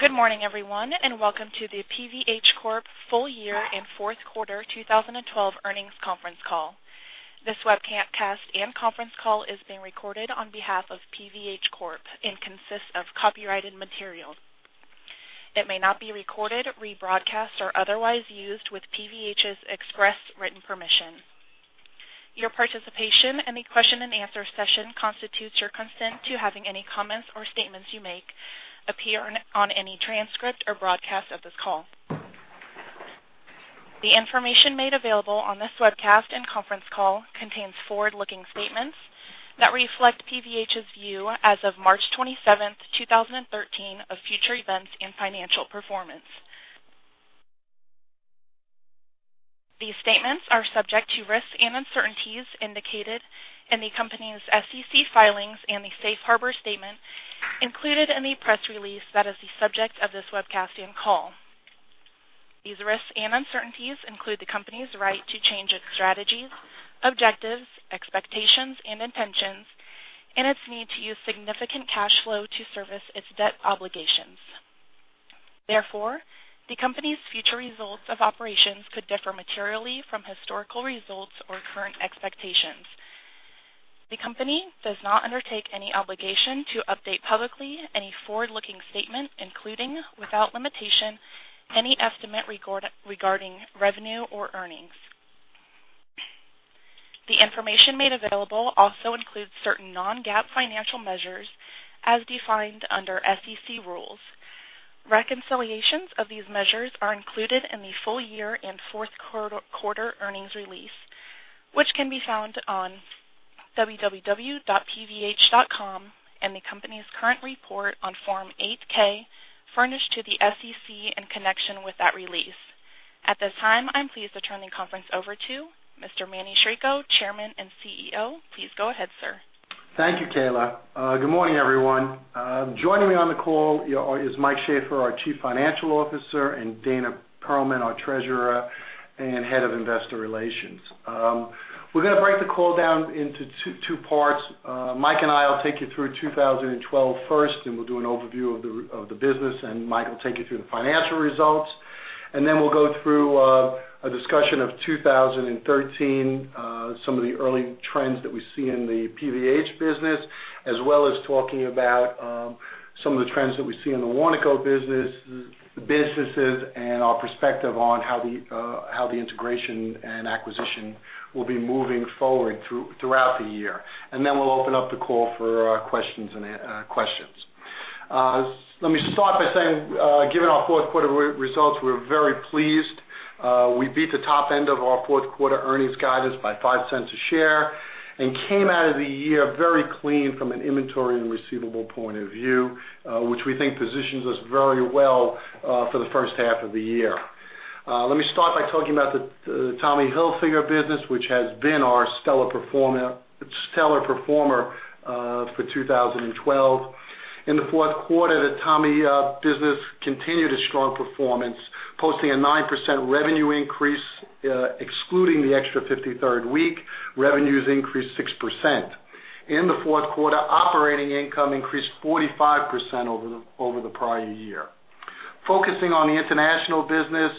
Good morning, everyone, and welcome to the PVH Corp full year and fourth quarter 2012 earnings conference call. This webcast and conference call is being recorded on behalf of PVH Corp and consists of copyrighted material. It may not be recorded, rebroadcast, or otherwise used with PVH's express written permission. Your participation in the question and answer session constitutes your consent to having any comments or statements you make appear on any transcript or broadcast of this call. The information made available on this webcast and conference call contains forward-looking statements that reflect PVH's view as of March 27th, 2013, of future events and financial performance. These statements are subject to risks and uncertainties indicated in the company's SEC filings and the safe harbor statement included in the press release that is the subject of this webcast and call. These risks and uncertainties include the company's right to change its strategies, objectives, expectations, and intentions, and its need to use significant cash flow to service its debt obligations. Therefore, the company's future results of operations could differ materially from historical results or current expectations. The company does not undertake any obligation to update publicly any forward-looking statement, including, without limitation, any estimate regarding revenue or earnings. The information made available also includes certain non-GAAP financial measures as defined under SEC rules. Reconciliations of these measures are included in the full year and fourth quarter earnings release, which can be found on www.pvh.com and the company's current report on Form 8-K furnished to the SEC in connection with that release. At this time, I'm pleased to turn the conference over to Mr. Emanuel Chirico, Chairman and CEO. Please go ahead, sir. Thank you, Kayla. Good morning, everyone. Joining me on the call is Mike Shaffer, our Chief Financial Officer, and Dana Perlman, our Treasurer and Head of Investor Relations. We're going to break the call down into two parts. Mike and I will take you through 2012 first, and we'll do an overview of the business, and Mike will take you through the financial results. Then we'll go through a discussion of 2013, some of the early trends that we see in the PVH business, as well as talking about some of the trends that we see in the Warnaco businesses and our perspective on how the integration and acquisition will be moving forward throughout the year. Then we'll open up the call for questions. Let me start by saying, given our fourth quarter results, we're very pleased. We beat the top end of our fourth quarter earnings guidance by $0.05 a share and came out of the year very clean from an inventory and receivable point of view, which we think positions us very well for the first half of the year. Let me start by talking about the Tommy Hilfiger business, which has been our stellar performer for 2012. In the fourth quarter, the Tommy business continued its strong performance, posting a 9% revenue increase. Excluding the extra 53rd week, revenues increased 6%. In the fourth quarter, operating income increased 45% over the prior year. Focusing on the international business.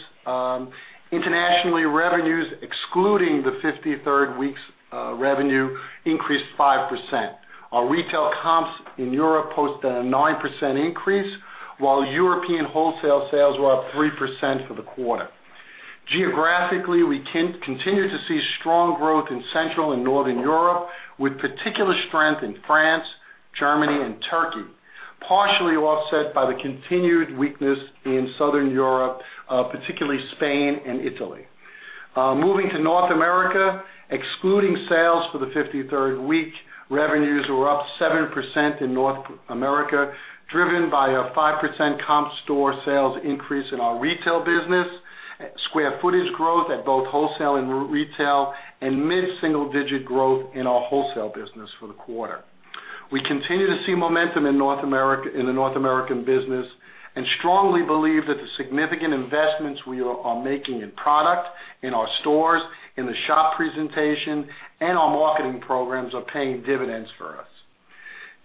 Internationally, revenues, excluding the 53rd week's revenue, increased 5%. Our retail comps in Europe posted a 9% increase, while European wholesale sales were up 3% for the quarter. Geographically, we continue to see strong growth in Central and Northern Europe, with particular strength in France, Germany, and Turkey, partially offset by the continued weakness in Southern Europe, particularly Spain and Italy. Moving to North America, excluding sales for the 53rd week, revenues were up 7% in North America, driven by a 5% comp store sales increase in our retail business, square footage growth at both wholesale and retail, and mid-single-digit growth in our wholesale business for the quarter. We continue to see momentum in the North American business and strongly believe that the significant investments we are making in product, in our stores, in the shop presentation, and our marketing programs are paying dividends for us.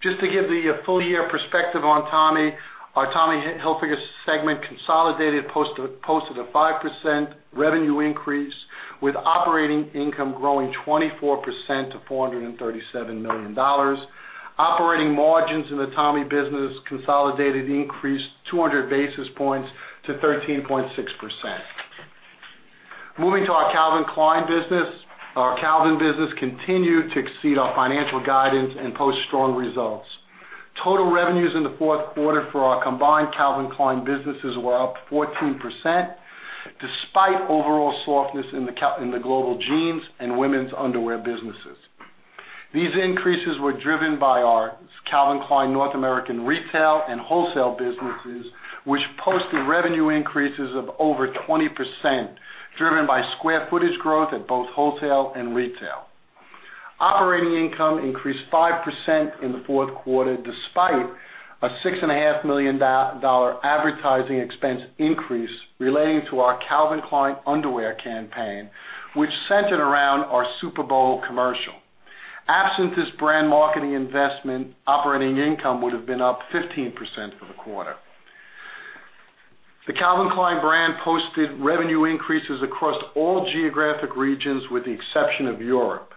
Just to give the full year perspective on Tommy, our Tommy Hilfiger segment consolidated posted a 5% revenue increase, with operating income growing 24% to $437 million. Operating margins in the Tommy business consolidated increased 200 basis points to 13.6%. Moving to our Calvin Klein business. Our Calvin business continued to exceed our financial guidance and post strong results. Total revenues in the fourth quarter for our combined Calvin Klein businesses were up 14%, despite overall softness in the global jeans and women's underwear businesses. These increases were driven by our Calvin Klein North American retail and wholesale businesses, which posted revenue increases of over 20%, driven by square footage growth at both wholesale and retail. Operating income increased 5% in the fourth quarter, despite a $6.5 million advertising expense increase relating to our Calvin Klein underwear campaign, which centered around our Super Bowl commercial. Absent this brand marketing investment, operating income would have been up 15% for the quarter. The Calvin Klein brand posted revenue increases across all geographic regions, with the exception of Europe.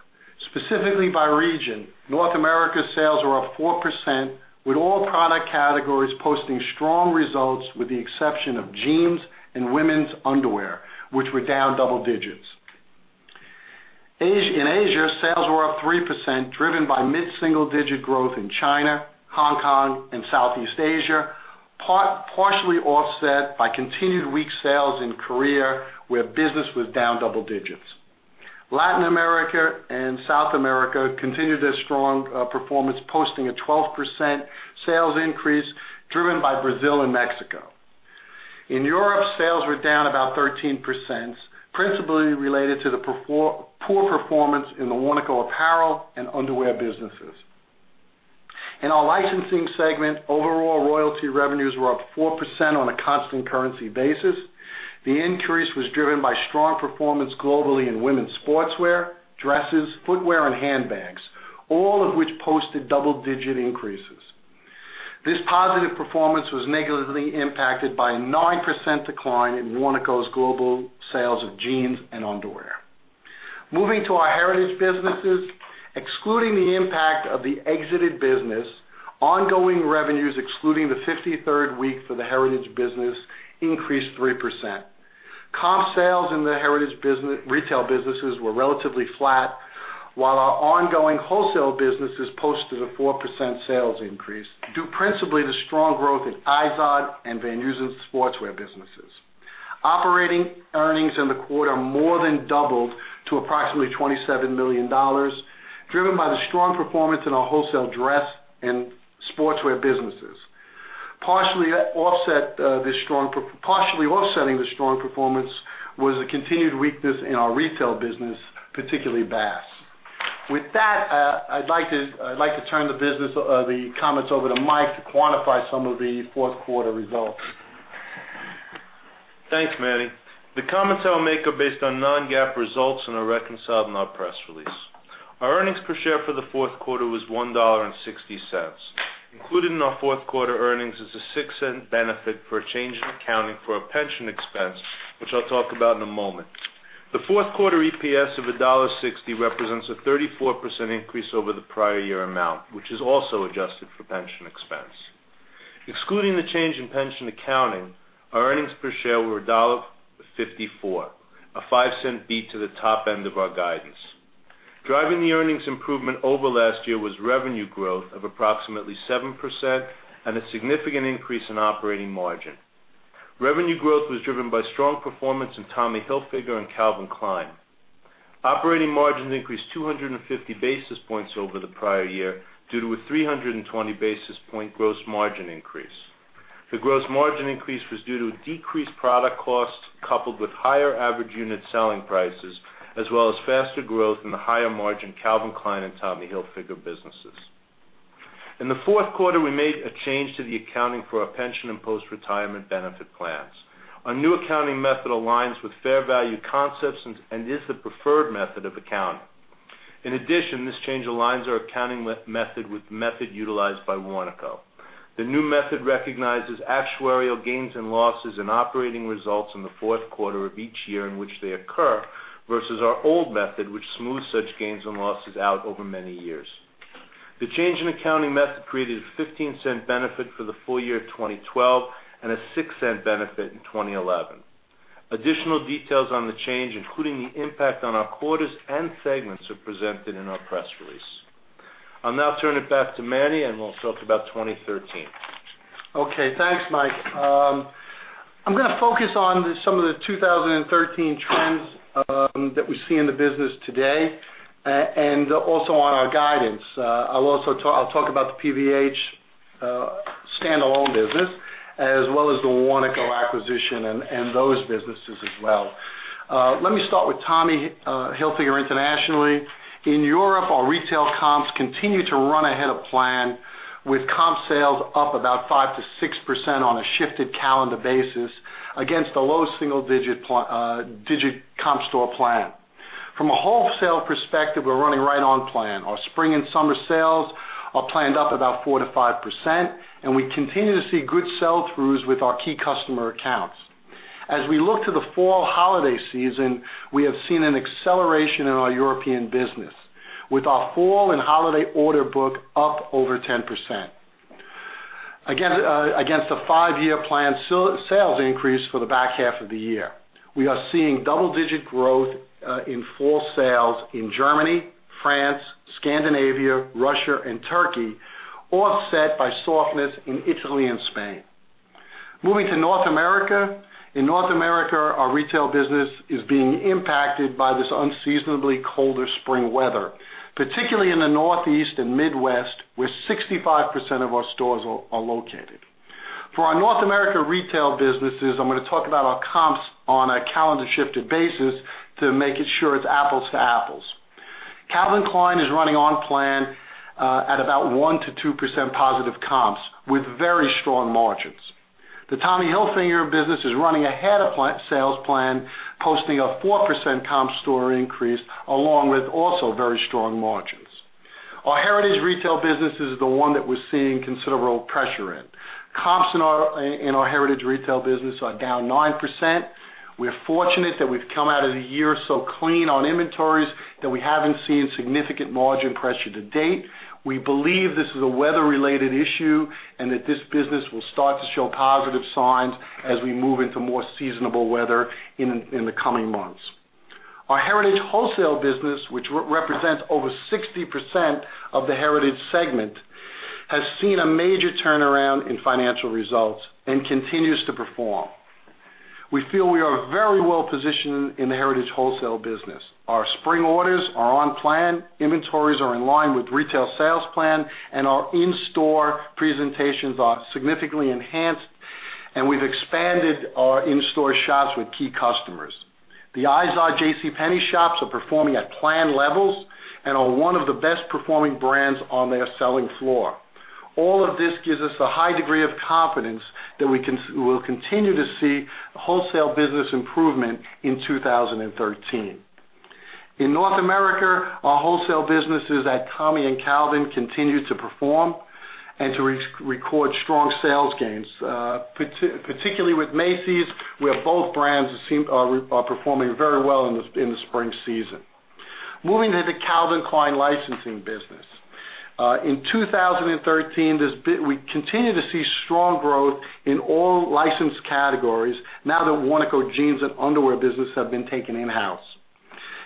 Specifically by region, North America sales were up 4%, with all product categories posting strong results, with the exception of jeans and women's underwear, which were down double digits. In Asia, sales were up 3%, driven by mid-single-digit growth in China, Hong Kong, and Southeast Asia, partially offset by continued weak sales in Korea, where business was down double digits. Latin America and South America continued their strong performance, posting a 12% sales increase driven by Brazil and Mexico. In Europe, sales were down about 13%, principally related to the poor performance in Warnaco. apparel and underwear businesses. In our licensing segment, overall royalty revenues were up 4% on a constant currency basis. The increase was driven by strong performance globally in women's sportswear, dresses, footwear, and handbags, all of which posted double-digit increases. This positive performance was negatively impacted by a 9% decline in Warnaco.'s global sales of jeans and underwear. Moving to our heritage businesses, excluding the impact of the exited business, ongoing revenues excluding the 53rd week for the heritage business increased 3%. Comp sales in the heritage retail businesses were relatively flat, while our ongoing wholesale businesses posted a 4% sales increase, due principally to strong growth in Izod and Van Heusen's sportswear businesses. Operating earnings in the quarter more than doubled to approximately $27 million, driven by the strong performance in our wholesale dress and sportswear businesses. Partially offsetting the strong performance was the continued weakness in our retail business, particularly Bass. With that, I'd like to turn the comments over to Mike to quantify some of the fourth quarter results. Thanks, Manny. The comments I'll make are based on non-GAAP results and are reconciled in our press release. Our earnings per share for the fourth quarter was $1.60. Included in our fourth quarter earnings is a $0.06 benefit for a change in accounting for our pension expense, which I'll talk about in a moment. The fourth quarter EPS of $1.60 represents a 34% increase over the prior year amount, which is also adjusted for pension expense. Excluding the change in pension accounting, our earnings per share were $1.54, a $0.05 beat to the top end of our guidance. Driving the earnings improvement over last year was revenue growth of approximately 7% and a significant increase in operating margin. Revenue growth was driven by strong performance in Tommy Hilfiger and Calvin Klein. Operating margins increased 250 basis points over the prior year due to a 320 basis point gross margin increase. The gross margin increase was due to decreased product costs coupled with higher average unit selling prices, as well as faster growth in the higher-margin Calvin Klein and Tommy Hilfiger businesses. In the fourth quarter, we made a change to the accounting for our pension and post-retirement benefit plans. Our new accounting method aligns with fair value concepts and is the preferred method of accounting. In addition, this change aligns our accounting method with the method utilized by Warnaco. The new method recognizes actuarial gains and losses in operating results in the fourth quarter of each year in which they occur, versus our old method, which smoothed such gains and losses out over many years. The change in accounting method created a $0.15 benefit for the full year 2012 and a $0.06 benefit in 2011. Additional details on the change, including the impact on our quarters and segments, are presented in our press release. I'll now turn it back to Manny, we'll talk about 2013. Okay, thanks, Mike. I'm going to focus on some of the 2013 trends that we see in the business today and also on our guidance. I'll talk about the PVH standalone business as well as the Warnaco acquisition and those businesses as well. Let me start with Tommy Hilfiger internationally. In Europe, our retail comps continue to run ahead of plan, with comp sales up about 5%-6% on a shifted calendar basis against a low single-digit comp store plan. From a wholesale perspective, we're running right on plan. Our spring and summer sales are planned up about 4%-5%, we continue to see good sell-throughs with our key customer accounts. As we look to the fall holiday season, we have seen an acceleration in our European business, with our fall and holiday order book up over 10% against a five-year plan sales increase for the back half of the year. We are seeing double-digit growth in fall sales in Germany, France, Scandinavia, Russia, and Turkey, offset by softness in Italy and Spain. Moving to North America. In North America, our retail business is being impacted by this unseasonably colder spring weather, particularly in the Northeast and Midwest, where 65% of our stores are located. For our North America retail businesses, I am going to talk about our comps on a calendar-shifted basis to make it sure it is apples to apples. Calvin Klein is running on plan at about 1%-2% positive comps with very strong margins. The Tommy Hilfiger business is running ahead of sales plan, posting a 4% comp store increase, along with also very strong margins. Our Heritage retail business is the one that we are seeing considerable pressure in. Comps in our Heritage retail business are down 9%. We are fortunate that we have come out of the year so clean on inventories that we haven't seen significant margin pressure to date. We believe this is a weather-related issue, and that this business will start to show positive signs as we move into more seasonable weather in the coming months. Our Heritage wholesale business, which represents over 60% of the Heritage segment, has seen a major turnaround in financial results and continues to perform. We feel we are very well-positioned in the Heritage wholesale business. Our spring orders are on plan. Inventories are in line with retail sales plan, and our in-store presentations are significantly enhanced, and we have expanded our in-store shops with key customers. The Izod J.C. Penney shops are performing at plan levels and are one of the best performing brands on their selling floor. All of this gives us a high degree of confidence that we will continue to see wholesale business improvement in 2013. In North America, our wholesale businesses at Tommy and Calvin continue to perform and to record strong sales gains, particularly with Macy's, where both brands are performing very well in the spring season. Moving to the Calvin Klein licensing business. In 2013, we continue to see strong growth in all licensed categories now that Warnaco jeans and underwear business have been taken in-house.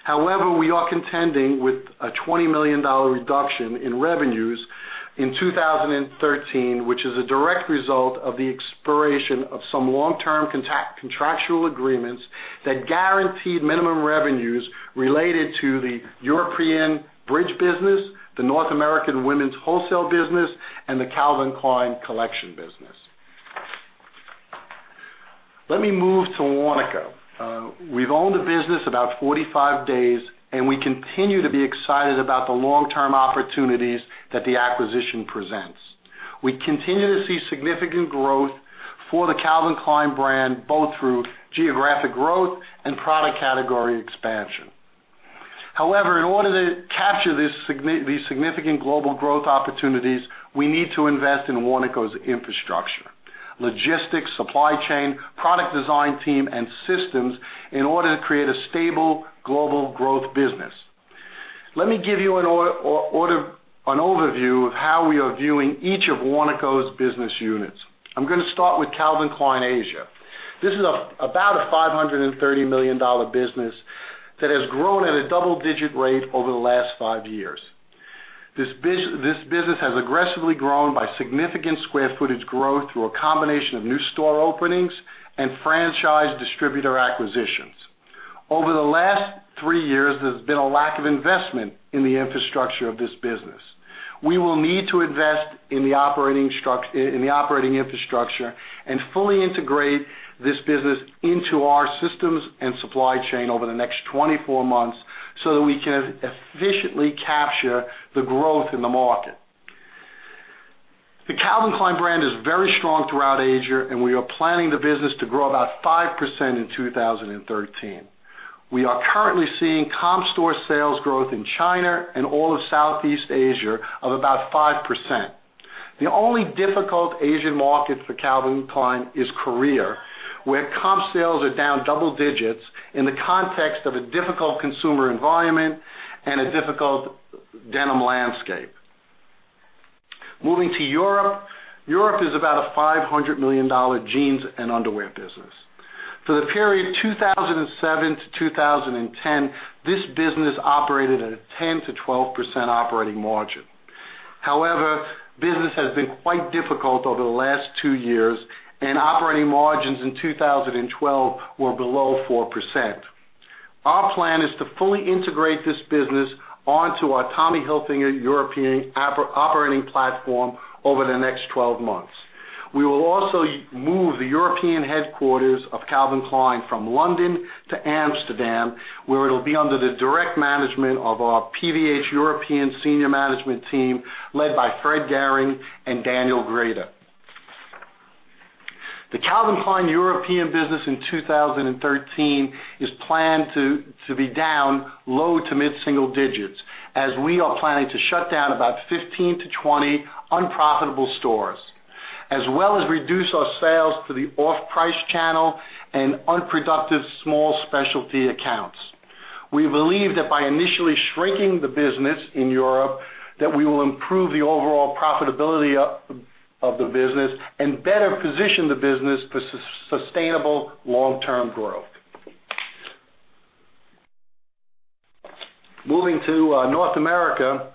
We are contending with a $20 million reduction in revenues in 2013, which is a direct result of the expiration of some long-term contractual agreements that guaranteed minimum revenues related to the European bridge business, the North American women's wholesale business, and the Calvin Klein collection business. Let me move to Warnaco. We have owned the business about 45 days, and we continue to be excited about the long-term opportunities that the acquisition presents. We continue to see significant growth for the Calvin Klein brand, both through geographic growth and product category expansion. In order to capture these significant global growth opportunities, we need to invest in Warnaco's infrastructure, logistics, supply chain, product design team, and systems in order to create a stable global growth business. Let me give you an overview of how we are viewing each of Warnaco's business units. I'm going to start with Calvin Klein Asia. This is about a $530 million business that has grown at a double-digit rate over the last five years. This business has aggressively grown by significant square footage growth through a combination of new store openings and franchise distributor acquisitions. Over the last three years, there's been a lack of investment in the infrastructure of this business. We will need to invest in the operating infrastructure and fully integrate this business into our systems and supply chain over the next 24 months so that we can efficiently capture the growth in the market. The Calvin Klein brand is very strong throughout Asia, and we are planning the business to grow about 5% in 2013. We are currently seeing comp store sales growth in China and all of Southeast Asia of about 5%. The only difficult Asian market for Calvin Klein is Korea, where comp sales are down double digits in the context of a difficult consumer environment and a difficult denim landscape. Moving to Europe. Europe is about a $500 million jeans and underwear business. For the period 2007 to 2010, this business operated at a 10%-12% operating margin. However, business has been quite difficult over the last two years, and operating margins in 2013 were below 4%. Our plan is to fully integrate this business onto our Tommy Hilfiger European operating platform over the next 12 months. We will also move the European headquarters of Calvin Klein from London to Amsterdam, where it'll be under the direct management of our PVH European senior management team, led by Fred Gehring and Daniel Grieder. The Calvin Klein European business in 2013 is planned to be down low to mid-single digits, as we are planning to shut down about 15-20 unprofitable stores. As well as reduce our sales to the off-price channel and unproductive small specialty accounts. We believe that by initially shrinking the business in Europe, that we will improve the overall profitability of the business and better position the business for sustainable long-term growth. Moving to North America.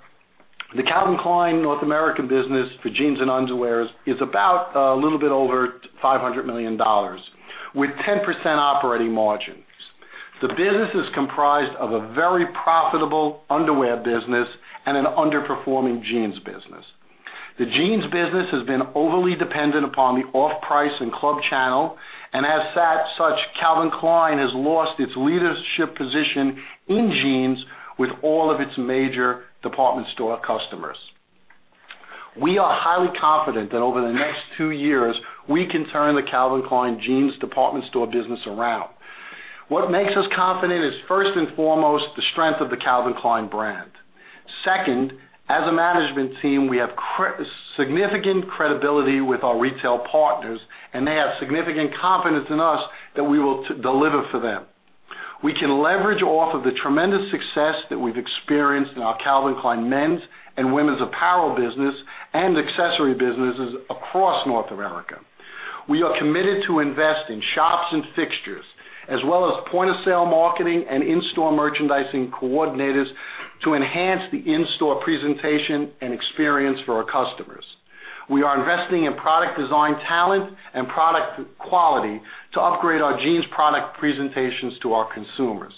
The Calvin Klein North American business for jeans and underwears is about a little bit over $500 million, with 10% operating margins. The business is comprised of a very profitable underwear business and an underperforming jeans business. The jeans business has been overly dependent upon the off-price and club channel, and as such, Calvin Klein has lost its leadership position in jeans with all of its major department store customers. We are highly confident that over the next two years, we can turn the Calvin Klein jeans department store business around. What makes us confident is first and foremost, the strength of the Calvin Klein brand. Second, as a management team, we have significant credibility with our retail partners, and they have significant confidence in us that we will deliver for them. We can leverage off of the tremendous success that we've experienced in our Calvin Klein men's and women's apparel business and accessory businesses across North America. We are committed to investing shops and fixtures, as well as point-of-sale marketing and in-store merchandising coordinators to enhance the in-store presentation and experience for our customers. We are investing in product design talent and product quality to upgrade our jeans product presentations to our consumers.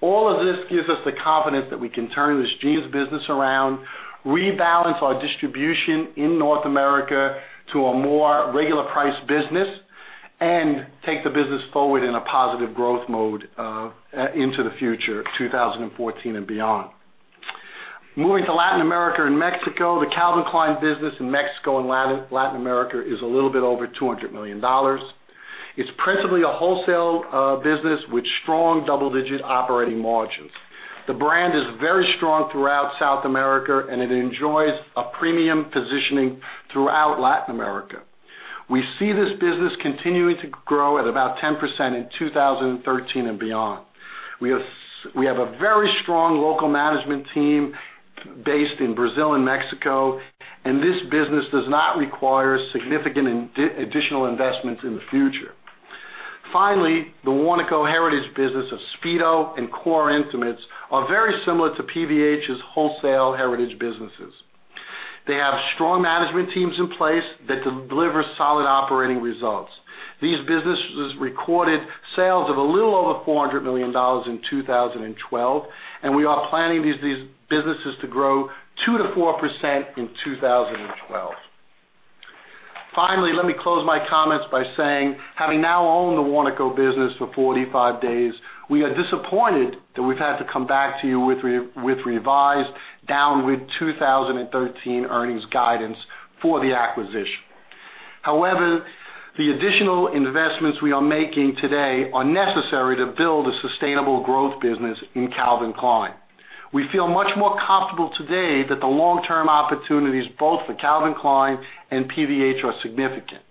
All of this gives us the confidence that we can turn this jeans business around, rebalance our distribution in North America to a more regular price business, and take the business forward in a positive growth mode into the future, 2014 and beyond. Moving to Latin America and Mexico, the Calvin Klein business in Mexico and Latin America is a little bit over $200 million. It's principally a wholesale business with strong double-digit operating margins. The brand is very strong throughout South America, and it enjoys a premium positioning throughout Latin America. We see this business continuing to grow at about 10% in 2013 and beyond. We have a very strong local management team based in Brazil and Mexico, and this business does not require significant additional investments in the future. Finally, the Warnaco heritage business of Speedo and Core Intimates are very similar to PVH's wholesale heritage businesses. They have strong management teams in place that deliver solid operating results. These businesses recorded sales of a little over $400 million in 2012, and we are planning these businesses to grow 2%-4% in 2012. Finally, let me close my comments by saying, having now owned the Warnaco business for 45 days, we are disappointed that we've had to come back to you with revised downward 2013 earnings guidance for the acquisition. However, the additional investments we are making today are necessary to build a sustainable growth business in Calvin Klein. We feel much more comfortable today that the long-term opportunities both for Calvin Klein and PVH are significant.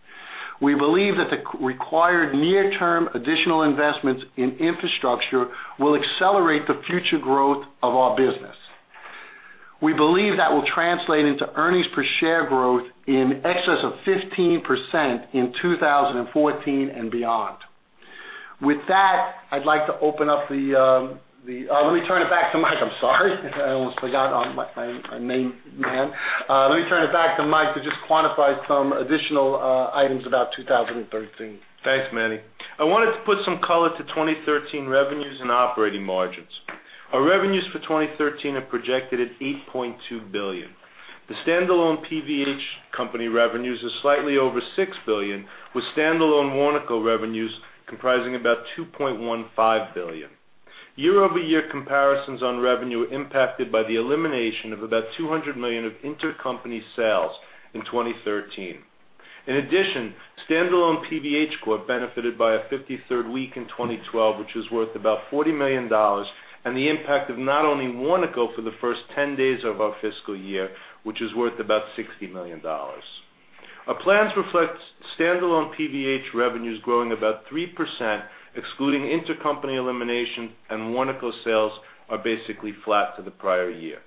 We believe that the required near-term additional investments in infrastructure will accelerate the future growth of our business. We believe that will translate into earnings per share growth in excess of 15% in 2014 and beyond. With that, I'd like to open up. Let me turn it back to Mike. I'm sorry. I almost forgot our main man. Let me turn it back to Mike to just quantify some additional items about 2013. Thanks, Manny. I wanted to put some color to 2013 revenues and operating margins. Our revenues for 2013 are projected at $8.2 billion. The standalone PVH company revenues is slightly over $6 billion, with standalone Warnaco revenues comprising about $2.15 billion. Year-over-year comparisons on revenue impacted by the elimination of about $200 million of intercompany sales in 2013. In addition, standalone PVH Corp benefited by a 53rd week in 2012, which was worth about $40 million, and the impact of not owning Warnaco for the first 10 days of our fiscal year, which is worth about $60 million. Our plans reflect standalone PVH revenues growing about 3%, excluding intercompany elimination, and Warnaco sales are basically flat to the prior year.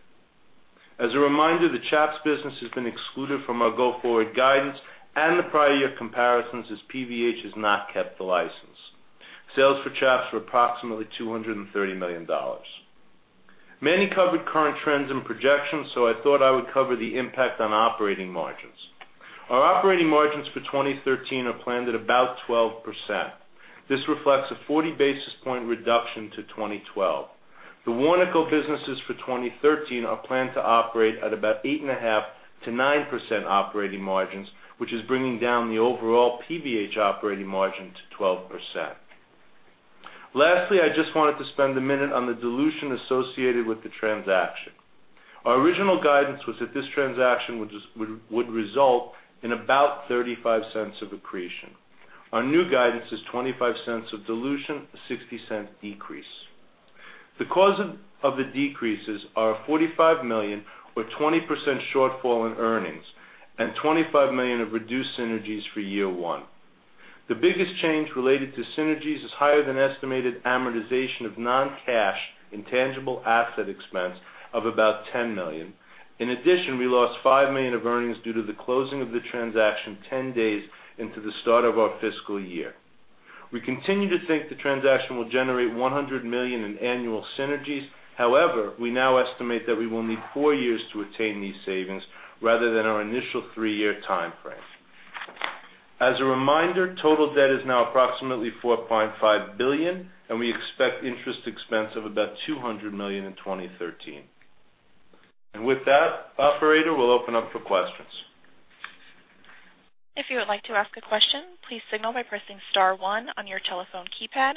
As a reminder, the Chaps business has been excluded from our go-forward guidance and the prior year comparisons as PVH has not kept the license. Sales for Chaps were approximately $230 million. Manny covered current trends and projections, I thought I would cover the impact on operating margins. Our operating margins for 2013 are planned at about 12%. This reflects a 40-basis point reduction to 2012. The Warnaco businesses for 2013 are planned to operate at about 8.5%-9% operating margins, which is bringing down the overall PVH operating margin to 12%. Lastly, I just wanted to spend a minute on the dilution associated with the transaction. Our original guidance was that this transaction would result in about $0.35 of accretion. Our new guidance is $0.25 of dilution, a $0.60 decrease. The cause of the decreases are a $45 million, or 20% shortfall in earnings, and $25 million of reduced synergies for year one. The biggest change related to synergies is higher than estimated amortization of non-cash intangible asset expense of about $10 million. In addition, we lost $5 million of earnings due to the closing of the transaction 10 days into the start of our fiscal year. We continue to think the transaction will generate $100 million in annual synergies. We now estimate that we will need four years to attain these savings rather than our initial three-year time frame. As a reminder, total debt is now approximately $4.5 billion, and we expect interest expense of about $200 million in 2013. With that, operator, we'll open up for questions. If you would like to ask a question, please signal by pressing *1 on your telephone keypad.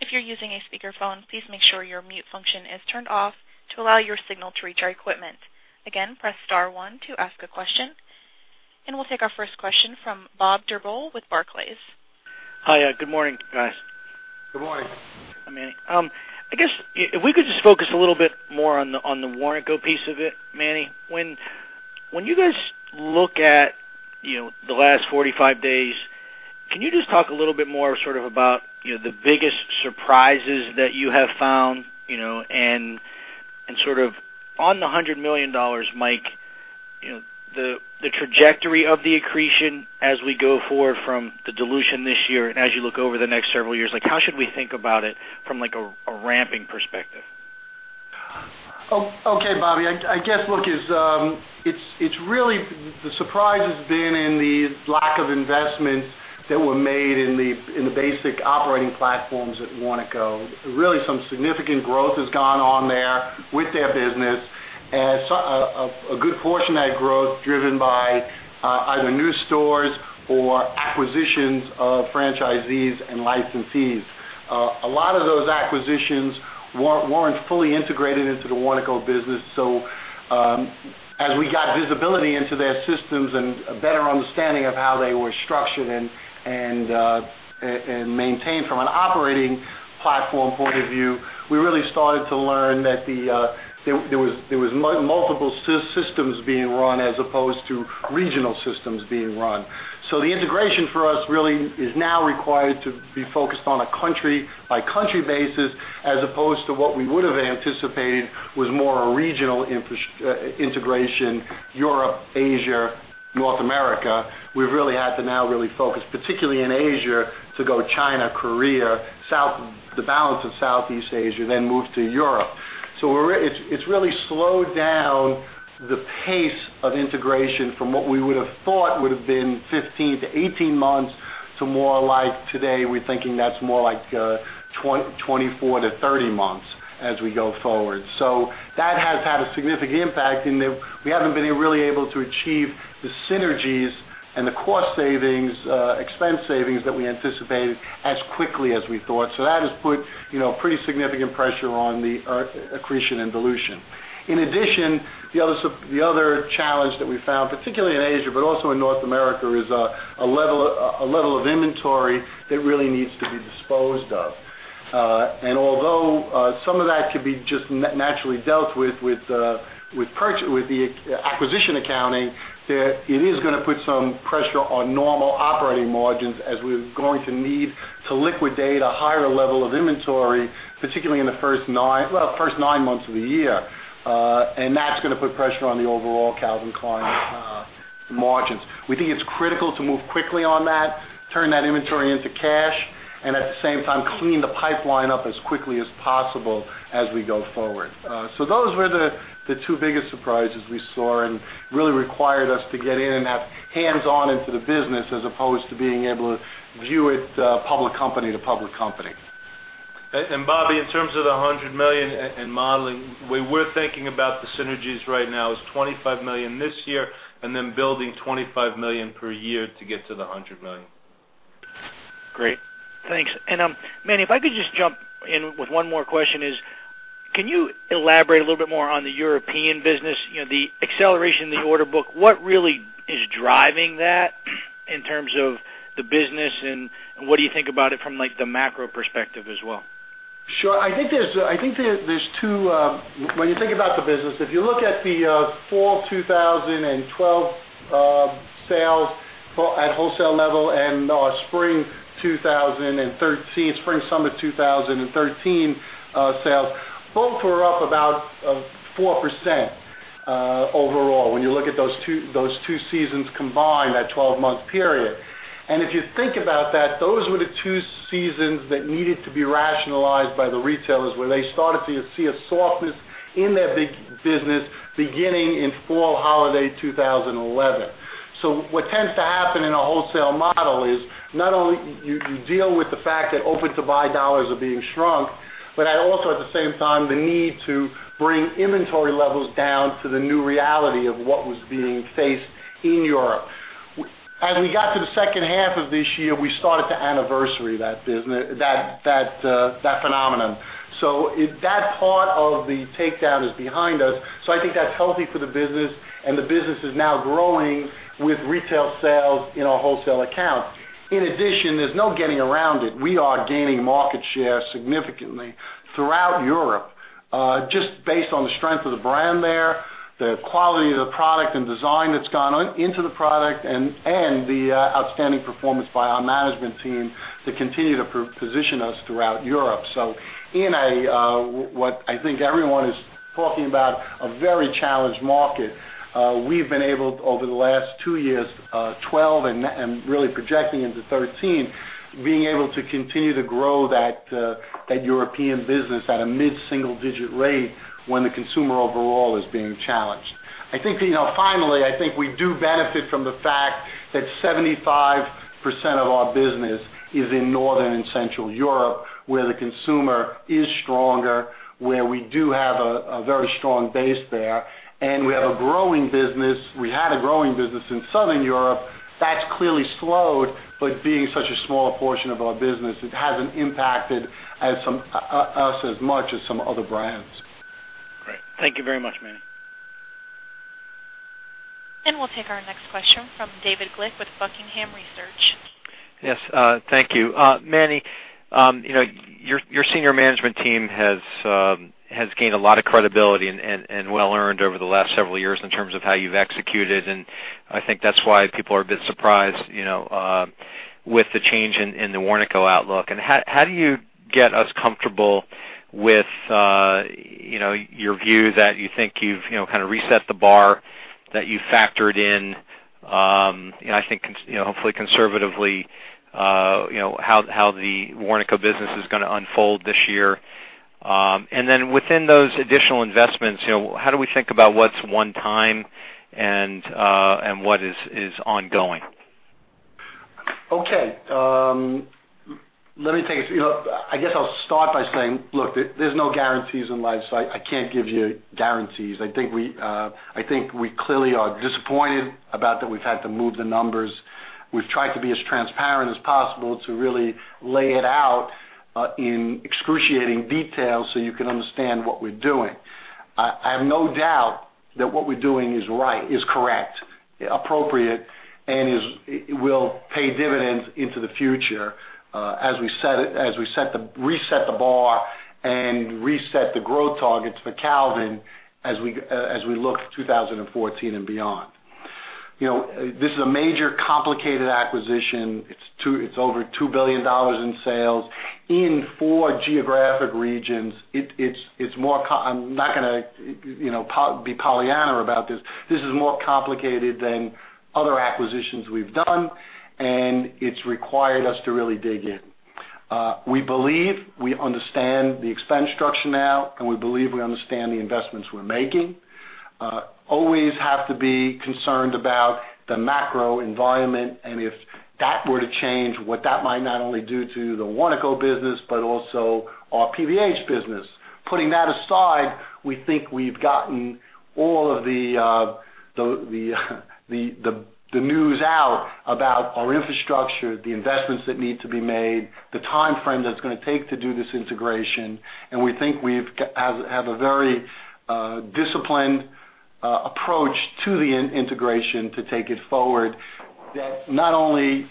If you're using a speakerphone, please make sure your mute function is turned off to allow your signal to reach our equipment. Again, press *1 to ask a question. We'll take our first question from Bob Drbul with Barclays. Hi. Good morning, guys. Good morning. Hi, Manny. I guess if we could just focus a little bit more on the Warnaco piece of it, Manny. When you guys look at the last 45 days, can you just talk a little bit more sort of about the biggest surprises that you have found, and sort of on the $100 million, Mike, the trajectory of the accretion as we go forward from the dilution this year, and as you look over the next several years, like how should we think about it from like a ramping perspective? Okay, Bobby, I guess, look, the surprise has been in the lack of investments that were made in the basic operating platforms at Warnaco. Really, some significant growth has gone on there with their business, and a good portion of that growth driven by either new stores or acquisitions of franchisees and licensees. A lot of those acquisitions weren't fully integrated into the Warnaco business. As we got visibility into their systems and a better understanding of how they were structured and maintained from an operating platform point of view, we really started to learn that there was multiple systems being run as opposed to regional systems being run. The integration for us really is now required to be focused on a country-by-country basis, as opposed to what we would have anticipated was more a regional integration, Europe, Asia, North America. We've really had to now really focus, particularly in Asia, to go China, Korea, the balance of Southeast Asia, then move to Europe. It's really slowed down the pace of integration from what we would have thought would have been 15-18 months to more like today, we're thinking that's more like 24-30 months as we go forward. That has had a significant impact in that we haven't been really able to achieve the synergies and the cost savings, expense savings that we anticipated as quickly as we thought. That has put pretty significant pressure on the accretion and dilution. In addition, the other challenge that we found, particularly in Asia, but also in North America, is a level of inventory that really needs to be disposed of. Although some of that could be just naturally dealt with the acquisition accounting, that it is going to put some pressure on normal operating margins as we're going to need to liquidate a higher level of inventory, particularly in the first nine months of the year. That's going to put pressure on the overall Calvin Klein margins. We think it's critical to move quickly on that, turn that inventory into cash, and at the same time, clean the pipeline up as quickly as possible as we go forward. Those were the two biggest surprises we saw and really required us to get in and have hands-on into the business as opposed to being able to view it public company to public company. Bobby, in terms of the $100 million in modeling, we were thinking about the synergies right now is $25 million this year and then building $25 million per year to get to the $100 million. Great. Thanks. Manny, if I could just jump in with one more question is, can you elaborate a little bit more on the European business? The acceleration in the order book, what really is driving that in terms of the business, and what do you think about it from like the macro perspective as well? Sure. I think there's When you think about the business, if you look at the fall 2012 sales at wholesale level and spring 2013, spring, summer 2013 sales, both were up about 4% overall. When you look at those two seasons combined, that 12-month period. If you think about that, those were the two seasons that needed to be rationalized by the retailers, where they started to see a softness in their business beginning in fall holiday 2011. What tends to happen in a wholesale model is not only you deal with the fact that open-to-buy dollars are being shrunk, but also at the same time, the need to bring inventory levels down to the new reality of what was being faced in Europe. As we got to the second half of this year, we started to anniversary that phenomenon. That part of the takedown is behind us. I think that's healthy for the business, and the business is now growing with retail sales in our wholesale accounts. In addition, there's no getting around it. We are gaining market share significantly throughout Europe, just based on the strength of the brand there, the quality of the product, and design that's gone into the product and the outstanding performance by our management team to continue to position us throughout Europe. In what I think everyone is talking about, a very challenged market, we've been able, over the last two years, 2012 and really projecting into 2013, being able to continue to grow that European business at a mid-single-digit rate when the consumer overall is being challenged. I think finally, I think we do benefit from the fact that 75% of our business is in Northern and Central Europe, where the consumer is stronger, where we do have a very strong base there, and we have a growing business. We had a growing business in Southern Europe. That's clearly slowed, but being such a small portion of our business, it hasn't impacted us as much as some other brands. Great. Thank you very much, Manny. We'll take our next question from David Glick with Buckingham Research. Yes. Thank you. Manny, your senior management team has gained a lot of credibility, and well earned over the last several years in terms of how you've executed, I think that's why people are a bit surprised with the change in the Warnaco outlook. How do you get us comfortable with your view that you think you've kind of reset the bar, that you factored in, I think hopefully conservatively how the Warnaco business is going to unfold this year. Then within those additional investments, how do we think about what's one time and what is ongoing? Okay. I guess I'll start by saying, look, there's no guarantees in life, so I can't give you guarantees. I think we clearly are disappointed about that we've had to move the numbers. We've tried to be as transparent as possible to really lay it out in excruciating detail so you can understand what we're doing. I have no doubt that what we're doing is right, is correct, appropriate, and will pay dividends into the future as we reset the bar and reset the growth targets for Calvin as we look to 2014 and beyond. This is a major complicated acquisition. It's over $2 billion in sales in four geographic regions. I'm not gonna be Pollyanna about this. This is more complicated than other acquisitions we've done, it's required us to really dig in. We believe we understand the expense structure now, we believe we understand the investments we're making. Always have to be concerned about the macro environment and if that were to change, what that might not only do to the Warnaco business, but also our PVH business. Putting that aside, we think we've gotten all of the news out about our infrastructure, the investments that need to be made, the timeframe that it's going to take to do this integration, we think we have a very disciplined approach to the integration to take it forward that not only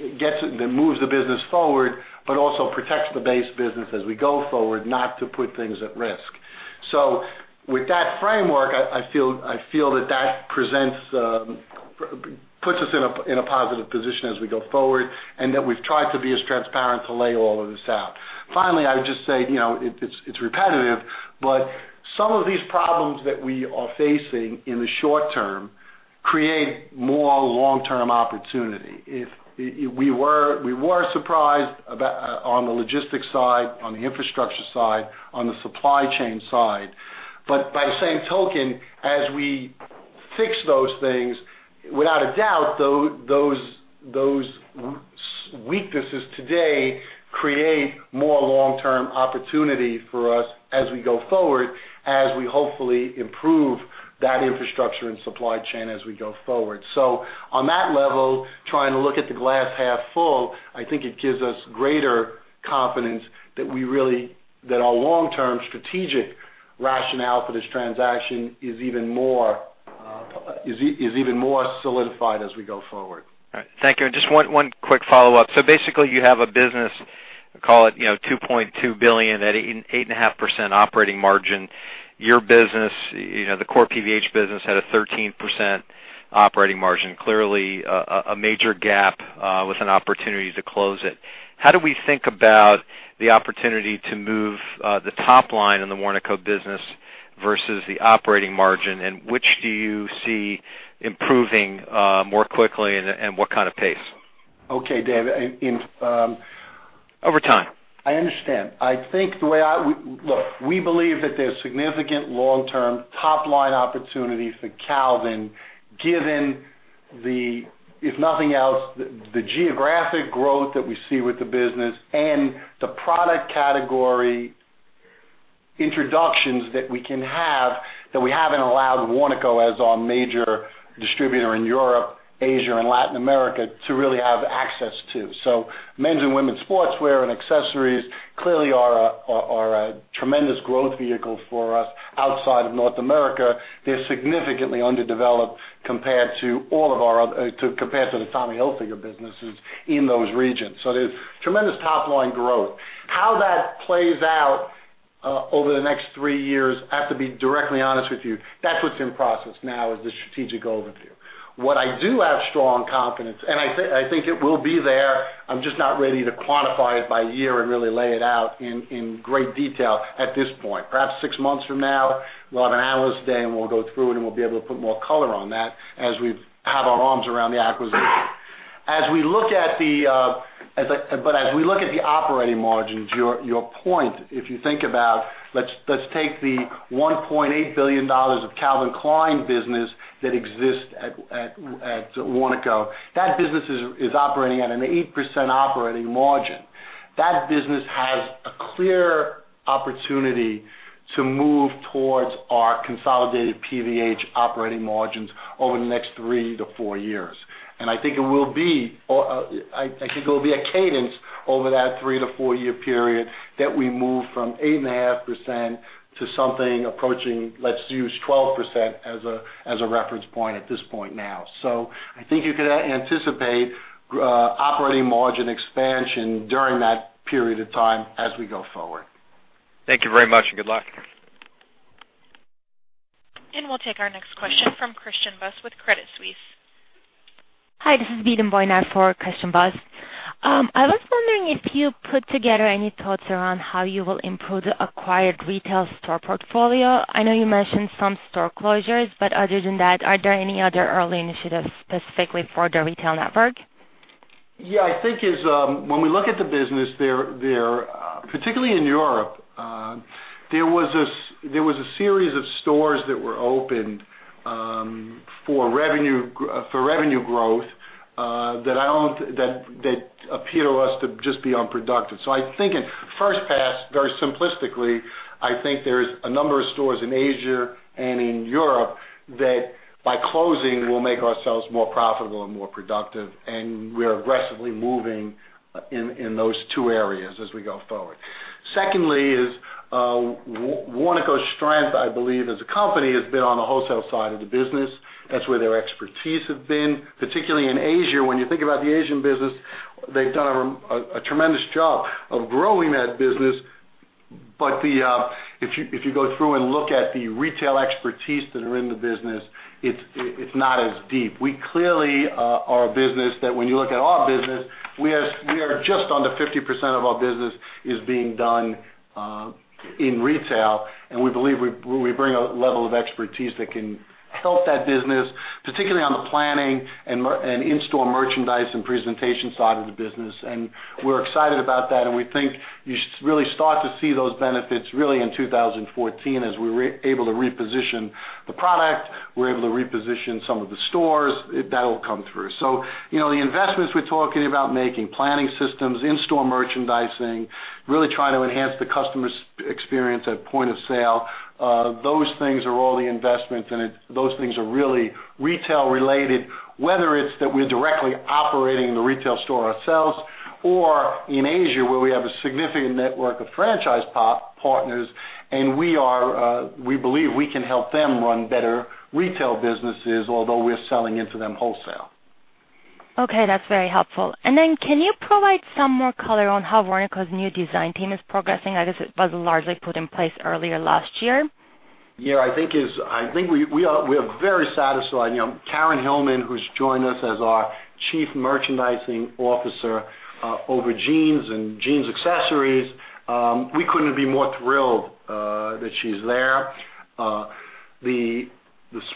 moves the business forward, but also protects the base business as we go forward, not to put things at risk. With that framework, I feel that puts us in a positive position as we go forward. We've tried to be as transparent to lay all of this out. Finally, I would just say, it's repetitive. Some of these problems that we are facing in the short term create more long-term opportunity. We were surprised on the logistics side, on the infrastructure side, on the supply chain side. By the same token, as we fix those things, without a doubt, those weaknesses today create more long-term opportunity for us as we go forward, as we hopefully improve that infrastructure and supply chain as we go forward. On that level, trying to look at the glass half full, I think it gives us greater confidence that our long-term strategic rationale for this transaction is even more solidified as we go forward. All right. Thank you. Just one quick follow-up. Basically, you have a business, call it $2.2 billion at 8.5% operating margin. Your business, the core PVH business, had a 13% operating margin. Clearly, a major gap with an opportunity to close it. How do we think about the opportunity to move the top line in the Warnaco business versus the operating margin, and which do you see improving more quickly, and what kind of pace? Okay, David. Over time. I understand. Look, we believe that there's significant long-term top-line opportunities for Calvin, given the, if nothing else, the geographic growth that we see with the business and the product category introductions that we can have that we haven't allowed Warnaco as our major distributor in Europe, Asia, and Latin America, to really have access to. Men's and women's sportswear and accessories clearly are a tremendous growth vehicle for us outside of North America. They're significantly underdeveloped compared to the Tommy Hilfiger businesses in those regions. There's tremendous top-line growth. How that plays out over the next three years, I have to be directly honest with you, that's what's in process now is the strategic overview. What I do have strong confidence, and I think it will be there, I'm just not ready to quantify it by year and really lay it out in great detail at this point. Perhaps six months from now, we'll have an analyst day, and we'll go through, and we'll be able to put more color on that as we have our arms around the acquisition. As we look at the operating margins, your point, if you think about, let's take the $1.8 billion of Calvin Klein business that exists at Warnaco. That business is operating at an 8% operating margin. That business has a clear opportunity to move towards our consolidated PVH operating margins over the next three to four years. I think there will be a cadence over that three to four-year period that we move from 8.5% to something approaching, let's use 12% as a reference point at this point now. I think you can anticipate operating margin expansion during that period of time as we go forward. Thank you very much, and good luck. We'll take our next question from Christian Buss with Credit Suisse. Hi, this is Bilun Boyner for Christian Buss. I was wondering if you put together any thoughts around how you will improve the acquired retail store portfolio. I know you mentioned some store closures, but other than that, are there any other early initiatives specifically for the retail network? Yeah, I think when we look at the business, particularly in Europe, there was a series of stores that were opened for revenue growth, that appear to us to just be unproductive. I think at first pass, very simplistically, I think there's a number of stores in Asia and in Europe that by closing, we'll make ourselves more profitable and more productive, and we're aggressively moving in those two areas as we go forward. Secondly is, Warnaco's strength, I believe, as a company, has been on the wholesale side of the business. That's where their expertise has been. Particularly in Asia. When you think about the Asian business, they've done a tremendous job of growing that business. If you go through and look at the retail expertise that are in the business, it's not as deep. We clearly are a business that when you look at our business, we are just under 50% of our business is being done in retail, and we believe we bring a level of expertise that can help that business, particularly on the planning and in-store merchandise and presentation side of the business. We're excited about that, and we think you should really start to see those benefits really in 2014 as we're able to reposition the product, we're able to reposition some of the stores. That'll come through. The investments we're talking about making, planning systems, in-store merchandising, really trying to enhance the customer's experience at point of sale. Those things are all the investments. Those things are really retail-related, whether it's that we're directly operating the retail store ourselves or in Asia, where we have a significant network of franchise partners. We believe we can help them run better retail businesses, although we're selling into them wholesale. Okay. That's very helpful. Can you provide some more color on how Warnaco's new design team is progressing? I guess it was largely put in place earlier last year. I think we are very satisfied. Karyn Hillman, who's joined us as our Chief Merchandising Officer over jeans and jeans accessories. We couldn't be more thrilled that she's there. The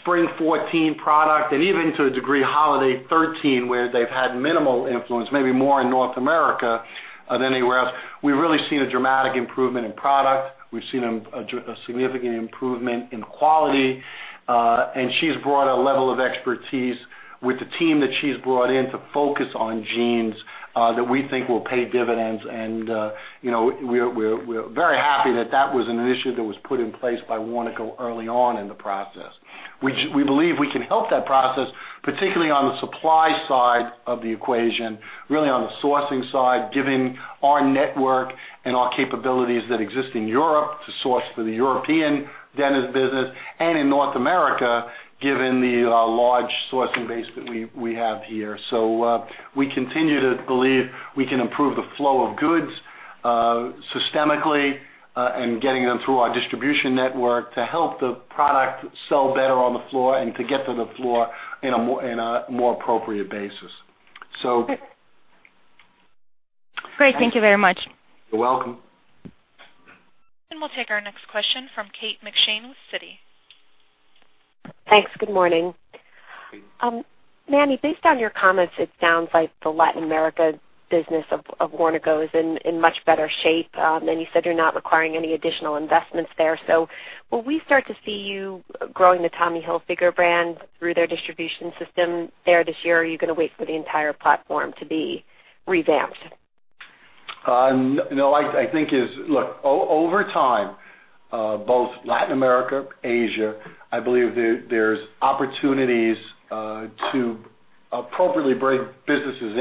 Spring 2014 product and even to a degree, Holiday 2013, where they've had minimal influence, maybe more in North America than anywhere else. We've really seen a dramatic improvement in product. We've seen a significant improvement in quality. She's brought a level of expertise with the team that she's brought in to focus on jeans, that we think will pay dividends. We're very happy that that was an initiative that was put in place by Warnaco early on in the process. We believe we can help that process, particularly on the supply side of the equation, really on the sourcing side, giving our network and our capabilities that exist in Europe to source for the European denim business and in North America, given the large sourcing base that we have here. We continue to believe we can improve the flow of goods systemically, getting them through our distribution network to help the product sell better on the floor and to get to the floor in a more appropriate basis. Great. Thank you very much. You're welcome. We'll take our next question from Kate McShane with Citi. Thanks. Good morning. Manny, based on your comments, it sounds like the Latin America business of Warnaco is in much better shape, and you said you're not requiring any additional investments there. Will we start to see you growing the Tommy Hilfiger brand through their distribution system there this year, or are you going to wait for the entire platform to be revamped? No. I think over time, both Latin America, Asia, I believe there's opportunities to appropriately bring businesses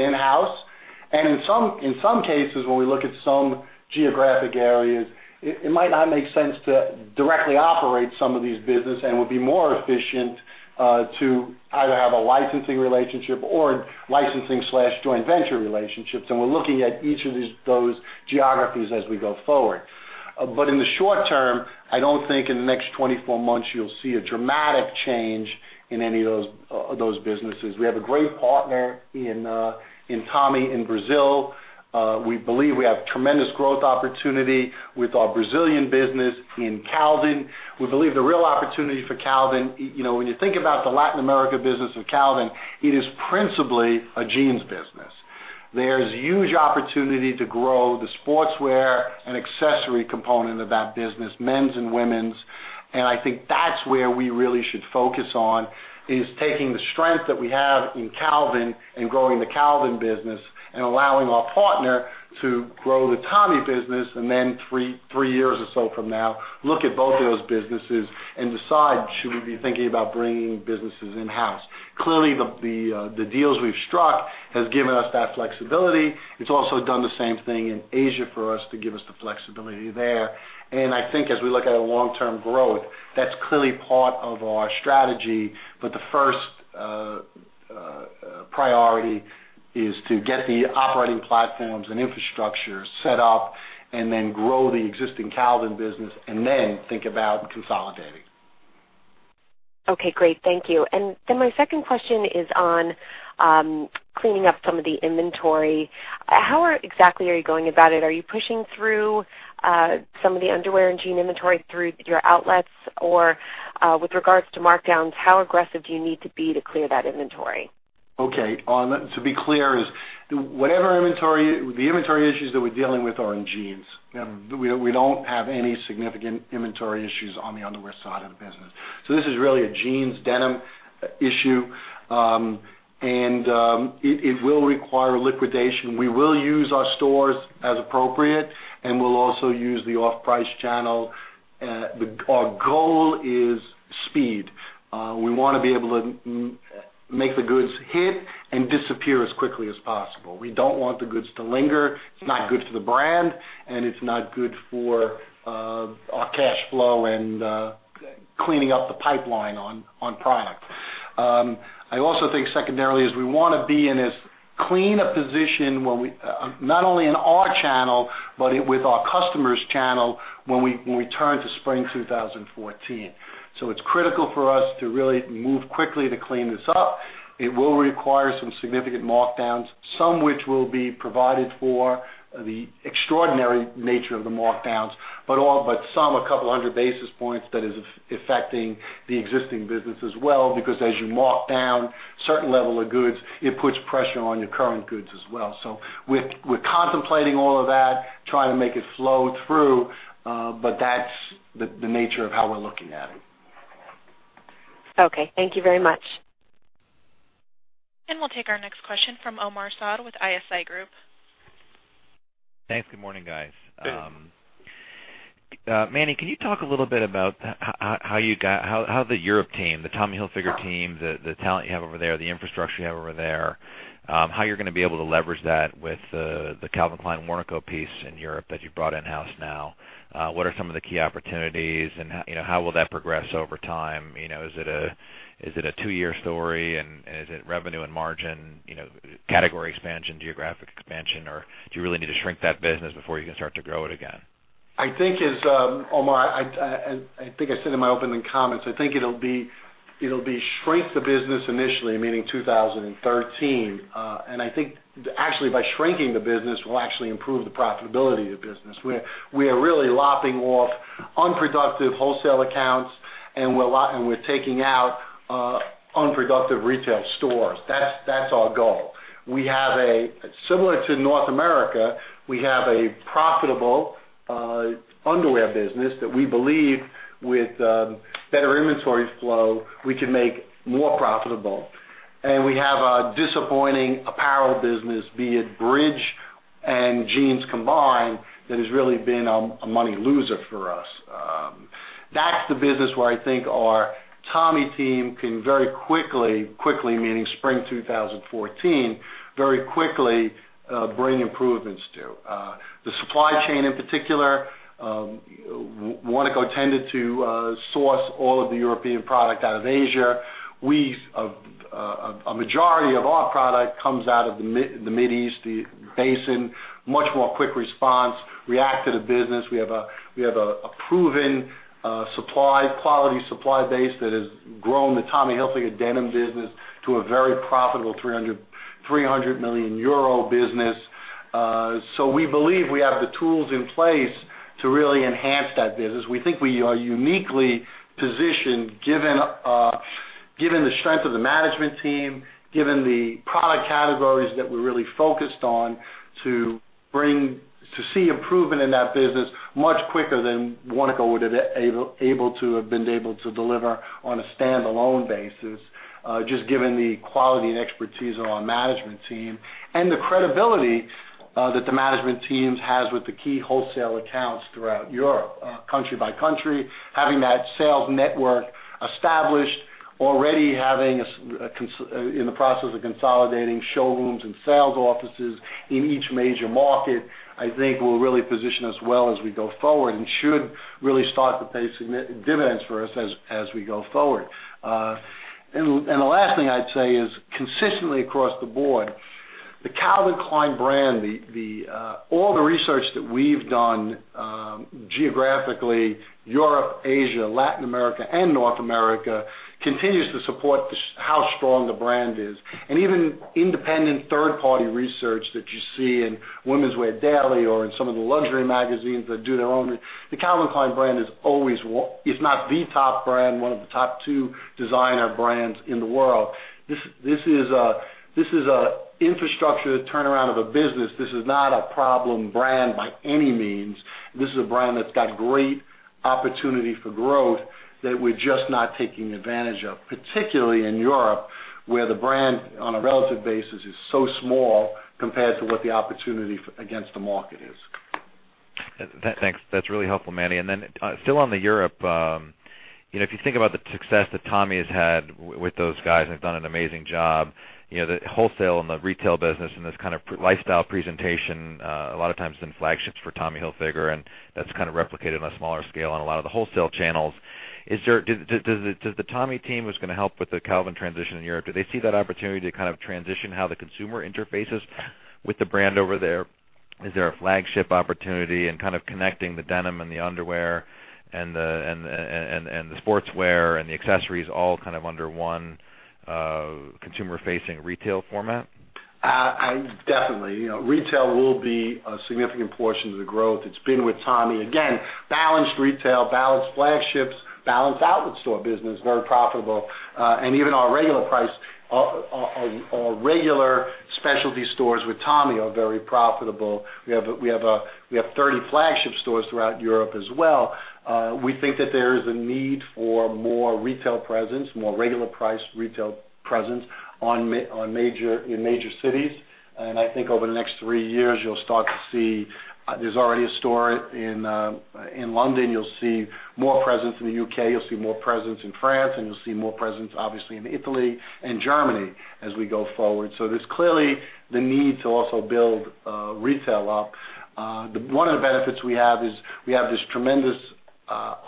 in-house. In some cases, when we look at some geographic areas, it might not make sense to directly operate some of these business and would be more efficient to either have a licensing relationship or licensing/joint venture relationships. We're looking at each of those geographies as we go forward. In the short term, I don't think in the next 24 months you'll see a dramatic change in any of those businesses. We have a great partner in Tommy in Brazil. We believe we have tremendous growth opportunity with our Brazilian business in Calvin. We believe the real opportunity for Calvin, when you think about the Latin America business of Calvin, it is principally a jeans business. There's huge opportunity to grow the sportswear and accessory component of that business, men's and women's. I think that's where we really should focus on, is taking the strength that we have in Calvin and growing the Calvin business and allowing our partner to grow the Tommy business. Then three years or so from now, look at both of those businesses and decide, should we be thinking about bringing businesses in-house? Clearly, the deals we've struck has given us that flexibility. It's also done the same thing in Asia for us to give us the flexibility there. I think as we look at our long-term growth, that's clearly part of our strategy. The first priority is to get the operating platforms and infrastructure set up, then grow the existing Calvin business, then think about consolidating. Okay, great. Thank you. My second question is on cleaning up some of the inventory. How exactly are you going about it? Are you pushing through some of the underwear and jean inventory through your outlets? With regards to markdowns, how aggressive do you need to be to clear that inventory? Okay. To be clear, the inventory issues that we're dealing with are in jeans. We don't have any significant inventory issues on the underwear side of the business. This is really a jeans, denim issue. It will require liquidation. We will use our stores as appropriate, and we'll also use the off-price channel. Our goal is speed. We want to be able to make the goods hit and disappear as quickly as possible. We don't want the goods to linger. It's not good for the brand, and it's not good for our cash flow and cleaning up the pipeline on product. I also think secondarily is we want to be in as clean a position, not only in our channel, but with our customer's channel, when we turn to spring 2014. It's critical for us to really move quickly to clean this up. It will require some significant markdowns, some which will be provided for the extraordinary nature of the markdowns. A couple of hundred basis points that is affecting the existing business as well, because as you mark down certain level of goods, it puts pressure on your current goods as well. We're contemplating all of that, trying to make it flow through. That's the nature of how we're looking at it. Okay. Thank you very much. We'll take our next question from Omar Saad with ISI Group. Thanks. Good morning, guys. Good. Manny, can you talk a little bit about how the Europe team, the Tommy Hilfiger team, the talent you have over there, the infrastructure you have over there, how you're going to be able to leverage that with the Calvin Klein Warnaco piece in Europe that you've brought in-house now? What are some of the key opportunities, and how will that progress over time? Is it a two-year story, and is it revenue and margin, category expansion, geographic expansion, or do you really need to shrink that business before you can start to grow it again? Omar, I think I said in my opening comments, I think it'll be shrink the business initially, meaning 2013. I think actually by shrinking the business, we'll actually improve the profitability of the business. We are really lopping off unproductive wholesale accounts, and we're taking out unproductive retail stores. That's our goal. Similar to North America, we have a profitable underwear business that we believe with better inventory flow, we can make more profitable. And we have a disappointing apparel business, be it bridge and jeans combined, that has really been a money loser for us. That's the business where I think our Tommy team can very quickly meaning spring 2014, very quickly bring improvements to. The supply chain in particular, Warnaco tended to source all of the European product out of Asia. A majority of our product comes out of the Mid East, the basin. Much more quick response, reactive to business. We have a proven quality supply base that has grown the Tommy Hilfiger denim business to a very profitable 300 million euro business. We believe we have the tools in place to really enhance that business. We think we are uniquely positioned, given the strength of the management team, given the product categories that we're really focused on, to see improvement in that business much quicker than Warnaco would have been able to deliver on a standalone basis. Just given the quality and expertise of our management team and the credibility that the management teams has with the key wholesale accounts throughout Europe. Country by country, having that sales network established, already in the process of consolidating showrooms and sales offices in each major market, I think will really position us well as we go forward and should really start to pay dividends for us as we go forward. The last thing I'd say is consistently across the board, the Calvin Klein brand, all the research that we've done geographically, Europe, Asia, Latin America, and North America, continues to support how strong the brand is. And even independent third-party research that you see in Women's Wear Daily or in some of the luxury magazines that do their own, the Calvin Klein brand is always, if not the top brand, one of the top two designer brands in the world. This is an infrastructure turnaround of a business. This is not a problem brand by any means. This is a brand that's got great opportunity for growth that we're just not taking advantage of, particularly in Europe, where the brand, on a relative basis, is so small compared to what the opportunity against the market is. Thanks. That's really helpful, Manny. Still on Europe, if you think about the success that Tommy has had with those guys, they've done an amazing job. The wholesale and the retail business and this kind of lifestyle presentation, a lot of times in flagships for Tommy Hilfiger, and that's kind of replicated on a smaller scale on a lot of the wholesale channels. Does the Tommy team who's going to help with the Calvin transition in Europe, do they see that opportunity to kind of transition how the consumer interfaces with the brand over there? Is there a flagship opportunity in kind of connecting the denim and the underwear and the sportswear and the accessories all kind of under one consumer-facing retail format? Definitely. Retail will be a significant portion of the growth. It's been with Tommy. Again, balanced retail, balanced flagships, balanced outlet store business, very profitable. Even our regular price, our regular specialty stores with Tommy are very profitable. We have 30 flagship stores throughout Europe as well. We think that there is a need for more retail presence, more regular price retail presence in major cities. I think over the next three years, you'll start to see There's already a store in London. You'll see more presence in the U.K., you'll see more presence in France, and you'll see more presence, obviously, in Italy and Germany as we go forward. There's clearly the need to also build retail up. One of the benefits we have is we have this tremendous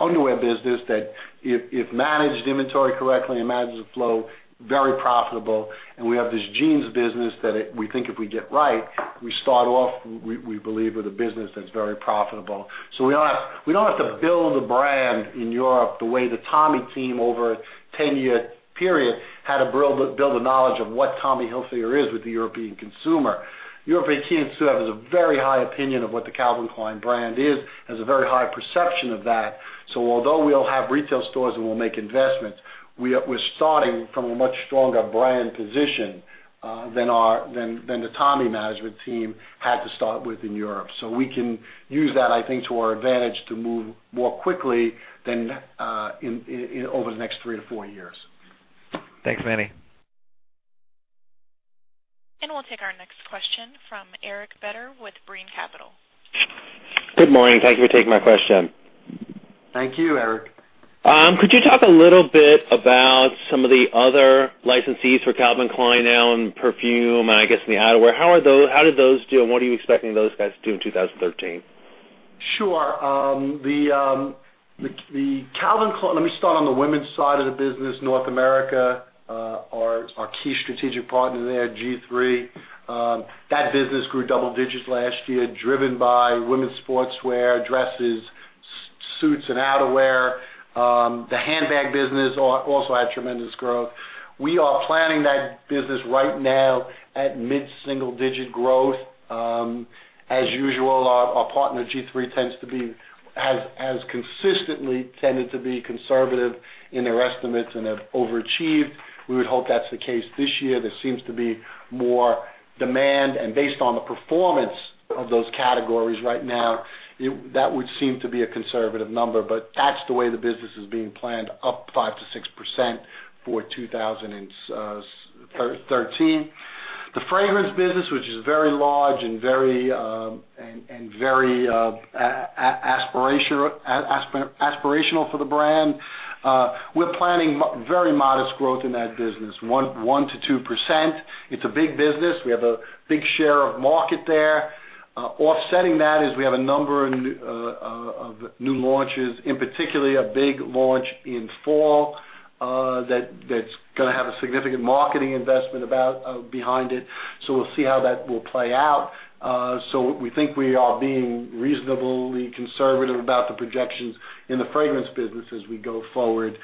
underwear business that if managed inventory correctly, and managed the flow, very profitable. We have this jeans business that we think if we get right, we start off, we believe, with a business that's very profitable. We don't have to build a brand in Europe the way the Tommy team over a 10-year period had to build the knowledge of what Tommy Hilfiger is with the European consumer. European consumers have a very high opinion of what the Calvin Klein brand is, has a very high perception of that. Although we'll have retail stores and we'll make investments, we're starting from a much stronger brand position than the Tommy management team had to start with in Europe. We can use that, I think, to our advantage to move more quickly over the next three to four years. Thanks, Manny. We'll take our next question from Eric Beder with Brean Capital. Good morning. Thank you for taking my question. Thank you, Eric. Could you talk a little bit about some of the other licensees for Calvin Klein now in perfume, and I guess in the outerwear. How did those do, and what are you expecting those guys to do in 2013? Sure. Let me start on the women's side of the business. North America, our key strategic partner there, G3. That business grew double digits last year, driven by women's sportswear, dresses, suits, and outerwear. The handbag business also had tremendous growth. We are planning that business right now at mid-single-digit growth. As usual, our partner G3 has consistently tended to be conservative in their estimates and have overachieved. We would hope that's the case this year. There seems to be more demand, and based on the performance of those categories right now, that would seem to be a conservative number, but that's the way the business is being planned, up 5%-6% for 2013. The fragrance business, which is very large and very aspirational for the brand, we're planning very modest growth in that business, 1%-2%. It's a big business. We have a big share of market there. Offsetting that is we have a number of new launches, in particular, a big launch in fall that's going to have a significant marketing investment behind it. We'll see how that will play out. We think we are being reasonably conservative about the projections in the fragrance business as we go forward.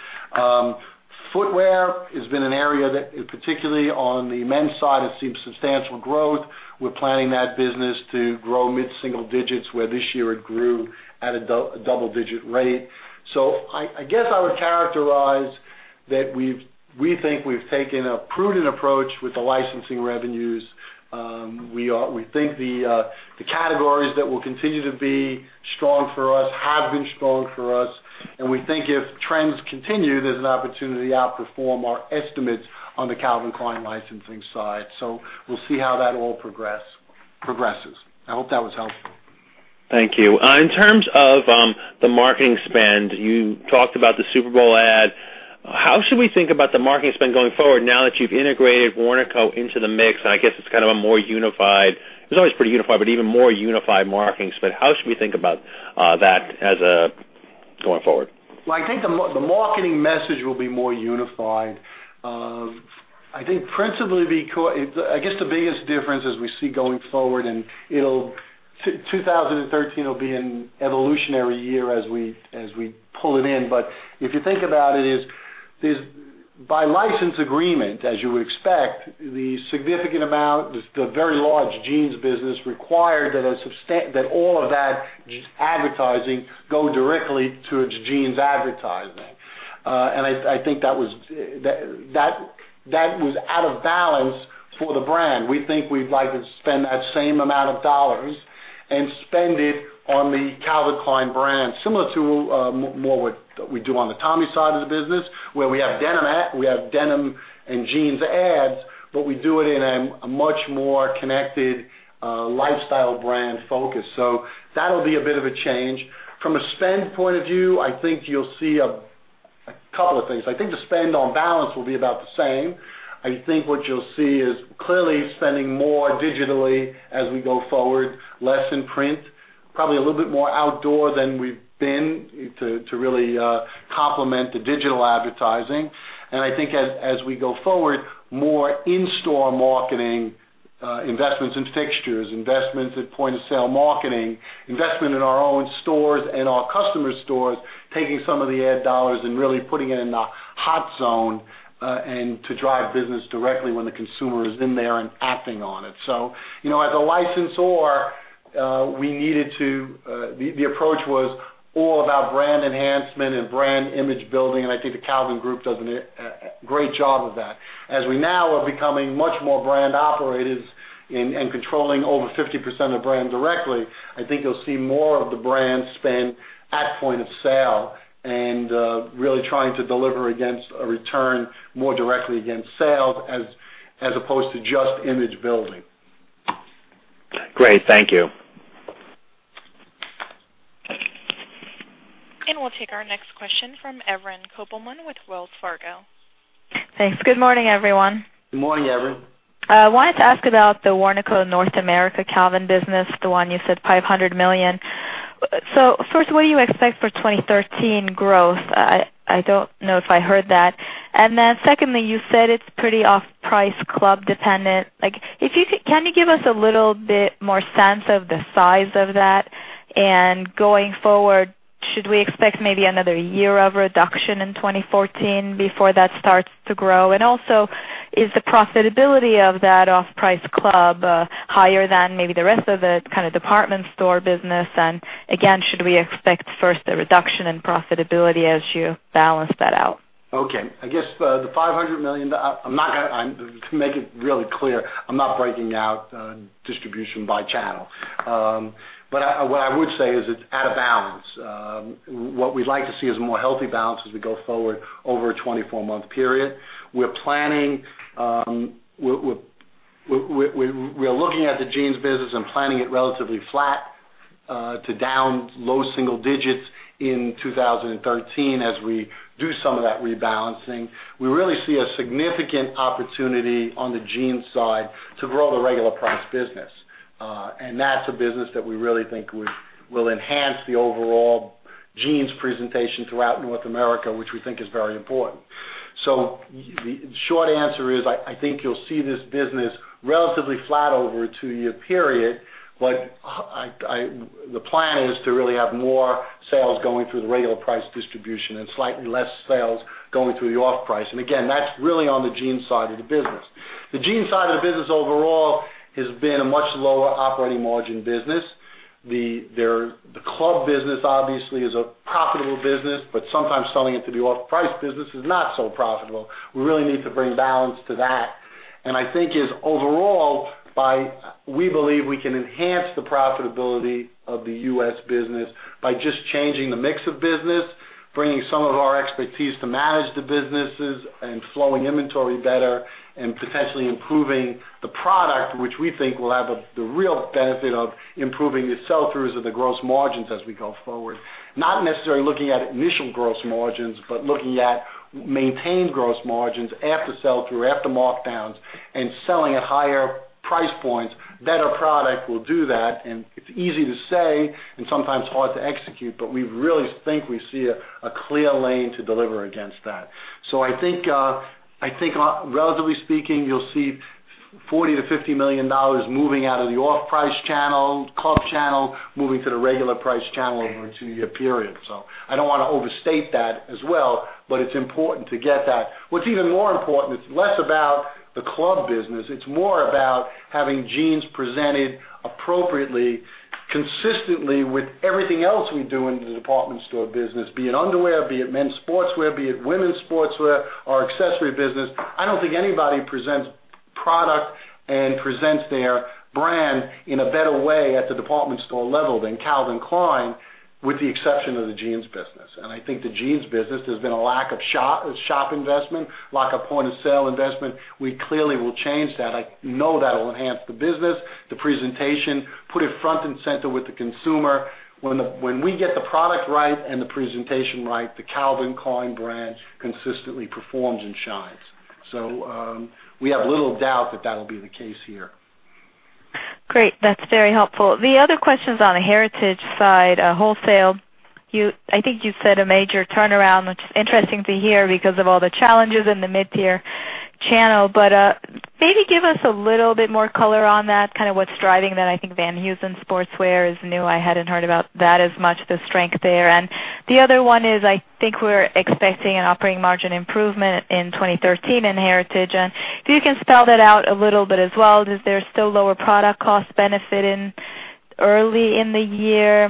Footwear has been an area that, particularly on the men's side, has seen substantial growth. We're planning that business to grow mid-single digits, where this year it grew at a double-digit rate. I guess I would characterize that we think we've taken a prudent approach with the licensing revenues. We think the categories that will continue to be strong for us have been strong for us, and we think if trends continue, there's an opportunity to outperform our estimates on the Calvin Klein licensing side. We'll see how that all progresses. I hope that was helpful. Thank you. In terms of the marketing spend, you talked about the Super Bowl ad. How should we think about the marketing spend going forward now that you've integrated Warnaco into the mix, and I guess it's kind of a more unified, it was always pretty unified, but even more unified marketing spend. How should we think about that going forward? Well, I think the marketing message will be more unified. I guess the biggest difference is we see going forward, and 2013 will be an evolutionary year as we pull it in. If you think about it is, by license agreement, as you would expect, the significant amount, the very large jeans business required that all of that advertising go directly to its jeans advertising. I think that was out of balance for the brand. We think we'd like to spend that same amount of dollars and spend it on the Calvin Klein brand, similar to more what we do on the Tommy side of the business, where we have denim and jeans ads, but we do it in a much more connected lifestyle brand focus. That'll be a bit of a change. From a spend point of view, I think you'll see a couple of things. I think the spend on balance will be about the same. I think what you'll see is clearly spending more digitally as we go forward, less in print, probably a little bit more outdoor than we've been to really complement the digital advertising. I think as we go forward, more in-store marketing investments in fixtures, investments at point-of-sale marketing, investment in our own stores and our customers' stores, taking some of the ad dollars and really putting it in a hot zone, and to drive business directly when the consumer is in there and acting on it. As a license or, the approach was all about brand enhancement and brand image building, and I think the Calvin group does a great job of that. As we now are becoming much more brand operators and controlling over 50% of brand directly, I think you'll see more of the brand spend at point of sale, and really trying to deliver against a return more directly against sales, as opposed to just image building. Great. Thank you. We'll take our next question from Evren Kopelman with Wells Fargo. Thanks. Good morning, everyone. Good morning, Evren. I wanted to ask about the Warnaco North America Calvin Klein business, the one you said $500 million. First, what do you expect for 2013 growth? I don't know if I heard that. Secondly, you said it's pretty off-price club dependent. Can you give us a little bit more sense of the size of that? Going forward, should we expect maybe another year of reduction in 2014 before that starts to grow? Also, is the profitability of that off-price club higher than maybe the rest of the department store business? Again, should we expect first a reduction in profitability as you balance that out? Okay. I guess the $500 million, to make it really clear, I'm not breaking out distribution by channel. What I would say is it's out of balance. What we'd like to see is a more healthy balance as we go forward over a 24-month period. We're looking at the jeans business and planning it relatively flat to down low single digits in 2013 as we do some of that rebalancing. We really see a significant opportunity on the jeans side to grow the regular price business. That's a business that we really think will enhance the overall jeans presentation throughout North America, which we think is very important. The short answer is, I think you'll see this business relatively flat over a two-year period. The plan is to really have more sales going through the regular price distribution and slightly less sales going through the off price. Again, that's really on the jeans side of the business. The jeans side of the business overall has been a much lower operating margin business. The club business obviously is a profitable business, but sometimes selling it to the off-price business is not so profitable. We really need to bring balance to that. I think is overall, we believe we can enhance the profitability of the U.S. business by just changing the mix of business, bringing some of our expertise to manage the businesses and flowing inventory better, and potentially improving the product, which we think will have the real benefit of improving the sell-throughs of the gross margins as we go forward. Not necessarily looking at initial gross margins, looking at maintained gross margins after sell-through, after markdowns, selling at higher price points. Better product will do that, it's easy to say and sometimes hard to execute, we really think we see a clear lane to deliver against that. I think relatively speaking, you'll see $40 million-$50 million moving out of the off-price channel, club channel, moving to the regular price channel over a two-year period. I don't want to overstate that as well, it's important to get that. What's even more important, it's less about the club business, it's more about having jeans presented appropriately, consistently with everything else we do in the department store business, be it underwear, be it men's sportswear, be it women's sportswear, our accessory business. I don't think anybody presents product and presents their brand in a better way at the department store level than Calvin Klein, with the exception of the jeans business. I think the jeans business, there's been a lack of shop investment, lack of point-of-sale investment. We clearly will change that. I know that'll enhance the business, the presentation, put it front and center with the consumer. When we get the product right and the presentation right, the Calvin Klein brand consistently performs and shines. We have little doubt that that'll be the case here. Great. That's very helpful. The other question is on the Heritage side, wholesale. I think you said a major turnaround, which is interesting to hear because of all the challenges in the mid-tier channel. Maybe give us a little bit more color on that, kind of what's driving that. I think Van Heusen Sportswear is new. I hadn't heard about that as much, the strength there. The other one is, I think we're expecting an operating margin improvement in 2013 in Heritage. If you can spell that out a little bit as well. Is there still lower product cost benefit early in the year?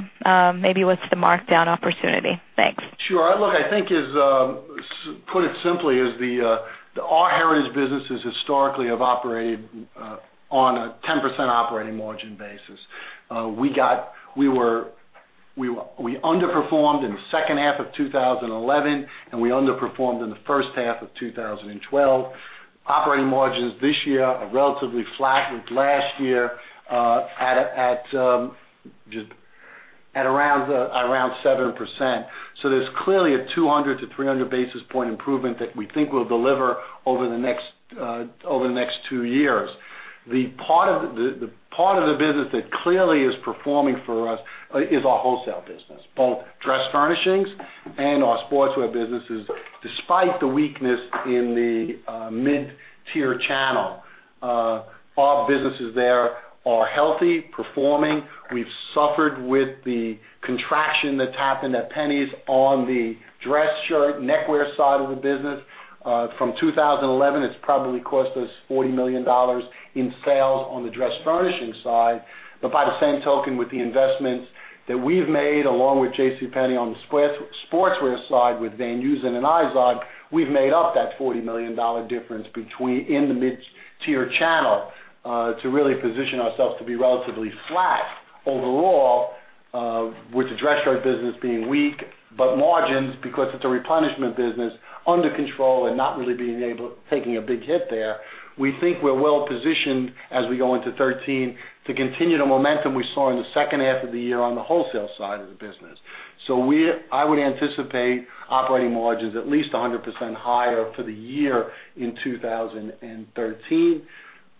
Maybe what's the markdown opportunity? Thanks. Sure. Look, I think put it simply is all Heritage businesses historically have operated on a 10% operating margin basis. We underperformed in the second half of 2011, and we underperformed in the first half of 2012. Operating margins this year are relatively flat with last year at just at around 7%. There's clearly a 200 to 300 basis point improvement that we think we'll deliver over the next two years. The part of the business that clearly is performing for us is our wholesale business, both dress furnishings and our sportswear businesses. Despite the weakness in the mid-tier channel, our businesses there are healthy, performing. We've suffered with the contraction that's happened at Penneys on the dress shirt neckwear side of the business. From 2011, it's probably cost us $40 million in sales on the dress furnishing side. By the same token, with the investments that we've made, along with JCPenney on the sportswear side with Van Heusen and IZOD, we've made up that $40 million difference in the mid-tier channel, to really position ourselves to be relatively flat overall, with the dress shirt business being weak, but margins, because it's a replenishment business, under control and not really taking a big hit there. We think we're well positioned as we go into 2013 to continue the momentum we saw in the second half of the year on the wholesale side of the business. I would anticipate operating margins at least 100 basis points higher for the year in 2013.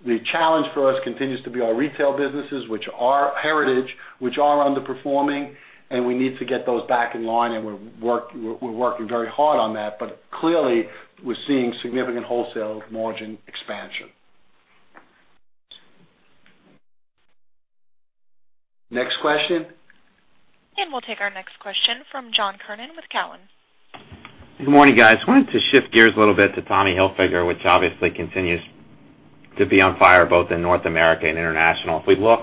The challenge for us continues to be our retail businesses, which are Heritage, which are underperforming, and we need to get those back in line, and we're working very hard on that. Clearly, we're seeing significant wholesale margin expansion. Next question. We'll take our next question from John Kernan with Cowen. Good morning, guys. Wanted to shift gears a little bit to Tommy Hilfiger, which obviously continues to be on fire both in North America and international. If we look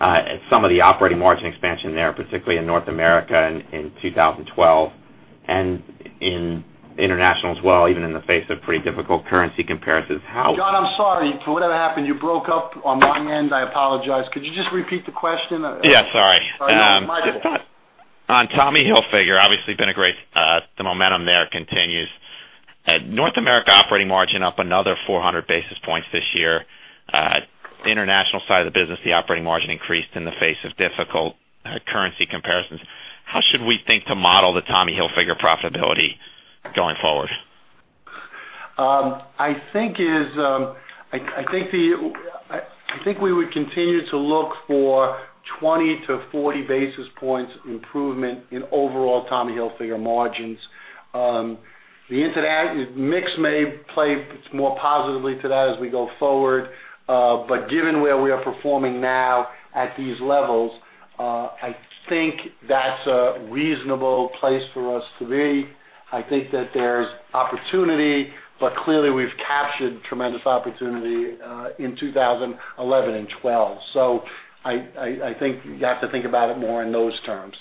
at some of the operating margin expansion there, particularly in North America in 2012 and in international as well, even in the face of pretty difficult currency comparisons. John, I'm sorry. For whatever happened, you broke up on my end. I apologize. Could you just repeat the question? Yeah, sorry. Sorry. Mike, go for it. On Tommy Hilfiger, obviously been a great. The momentum there continues. North America operating margin up another 400 basis points this year. The international side of the business, the operating margin increased in the face of difficult currency comparisons. How should we think to model the Tommy Hilfiger profitability going forward? I think we would continue to look for 20 to 40 basis points improvement in overall Tommy Hilfiger margins. The mix may play more positively to that as we go forward. Given where we are performing now at these levels, I think that's a reasonable place for us to be. I think that there's opportunity, but clearly we've captured tremendous opportunity in 2011 and 2012. I think you have to think about it more in those terms.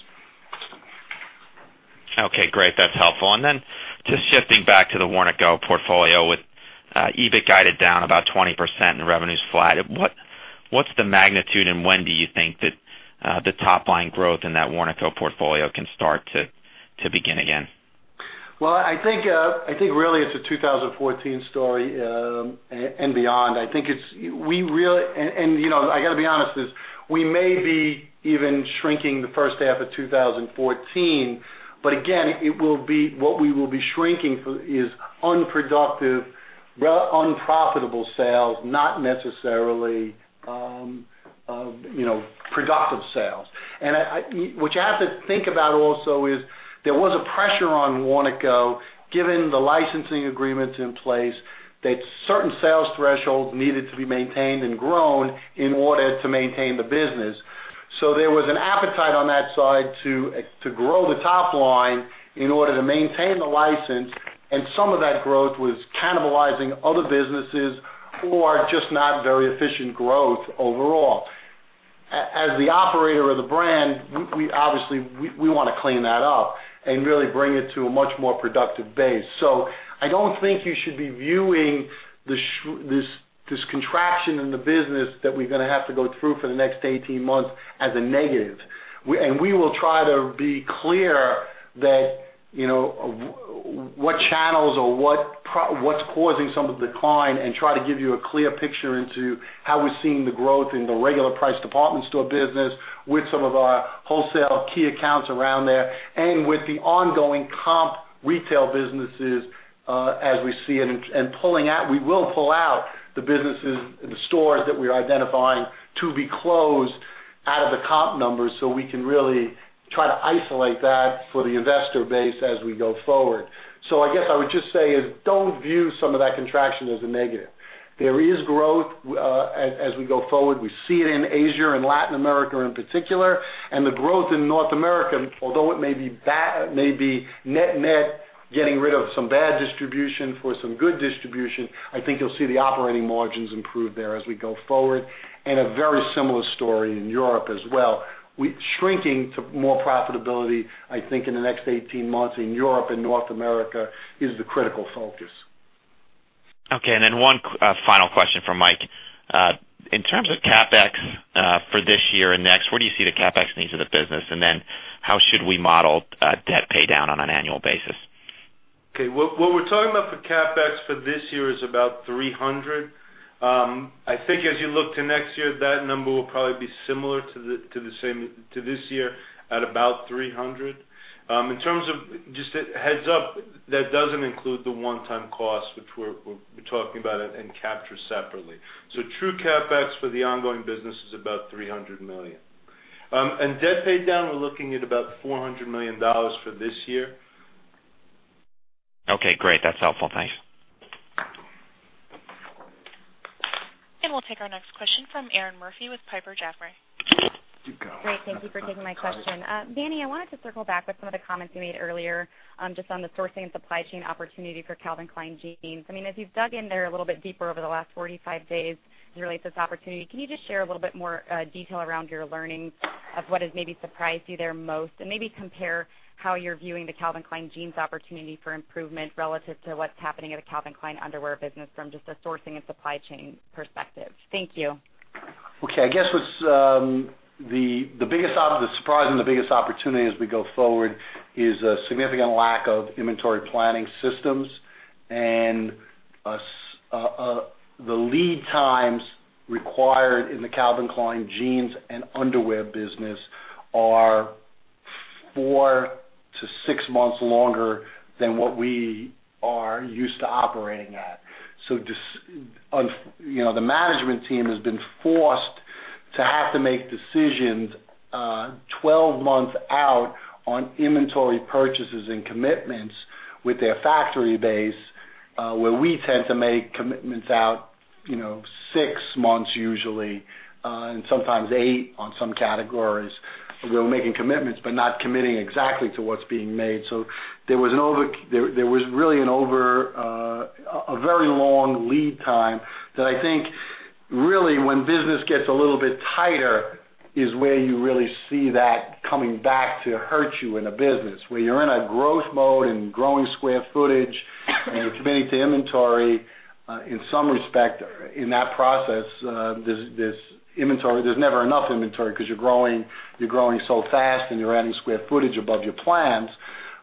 Okay, great. That's helpful. Just shifting back to the Warnaco portfolio with EBIT guided down about 20% and revenues flat. What's the magnitude, and when do you think that the top-line growth in that Warnaco portfolio can start to begin again? Well, I think really it's a 2014 story and beyond. I got to be honest, we may be even shrinking the first half of 2014. Again, what we will be shrinking is unproductive, unprofitable sales, not necessarily productive sales. What you have to think about also is there was a pressure on Warnaco, given the licensing agreements in place, that certain sales thresholds needed to be maintained and grown in order to maintain the business. There was an appetite on that side to grow the top-line in order to maintain the license, and some of that growth was cannibalizing other businesses or just not very efficient growth overall. As the operator of the brand, obviously, we want to clean that up and really bring it to a much more productive base. I don't think you should be viewing this contraction in the business that we're going to have to go through for the next 18 months as a negative. We will try to be clear what channels or what's causing some of the decline and try to give you a clear picture into how we're seeing the growth in the regular price department store business with some of our wholesale key accounts around there and with the ongoing comp retail businesses, as we see it. We will pull out the businesses and the stores that we're identifying to be closed out of the comp numbers, so we can really try to isolate that for the investor base as we go forward. I guess I would just say is don't view some of that contraction as a negative. There is growth as we go forward. We see it in Asia and Latin America in particular, and the growth in North America, although it may be net-net, getting rid of some bad distribution for some good distribution. I think you'll see the operating margins improve there as we go forward, and a very similar story in Europe as well. Shrinking to more profitability, I think, in the next 18 months in Europe and North America is the critical focus. Okay, one final question from Mike. In terms of CapEx for this year and next, where do you see the CapEx needs of the business, and then how should we model debt paydown on an annual basis? Okay. What we're talking about for CapEx for this year is about $300 million. I think as you look to next year, that number will probably be similar to this year at about $300 million. In terms of just a heads-up, that doesn't include the one-time cost, which we're talking about and capture separately. True CapEx for the ongoing business is about $300 million. Debt paydown, we're looking at about $400 million for this year. Okay, great. That's helpful. Thanks. We'll take our next question from Erinn Murphy with Piper Jaffray. Great. Thank you for taking my question. Manny, I wanted to circle back with some of the comments you made earlier, just on the sourcing and supply chain opportunity for Calvin Klein Jeans. As you've dug in there a little bit deeper over the last 45 days as you relate to this opportunity, can you just share a little bit more detail around your learnings of what has maybe surprised you there most? Maybe compare how you're viewing the Calvin Klein Jeans opportunity for improvement relative to what's happening at the Calvin Klein underwear business from just a sourcing and supply chain perspective. Thank you. Okay. I guess what's the surprise and the biggest opportunity as we go forward is a significant lack of inventory planning systems, the lead times required in the Calvin Klein Jeans and Calvin Klein underwear business are four to six months longer than what we are used to operating at. The management team has been forced to have to make decisions 12 months out on inventory purchases and commitments with their factory base where we tend to make commitments out six months usually, and sometimes eight on some categories. We're making commitments, but not committing exactly to what's being made. There was really a very long lead time that I think really when business gets a little bit tighter is where you really see that coming back to hurt you in a business. When you're in a growth mode and growing square footage and committing to inventory, in some respect in that process, there's never enough inventory because you're growing so fast and you're adding square footage above your plans.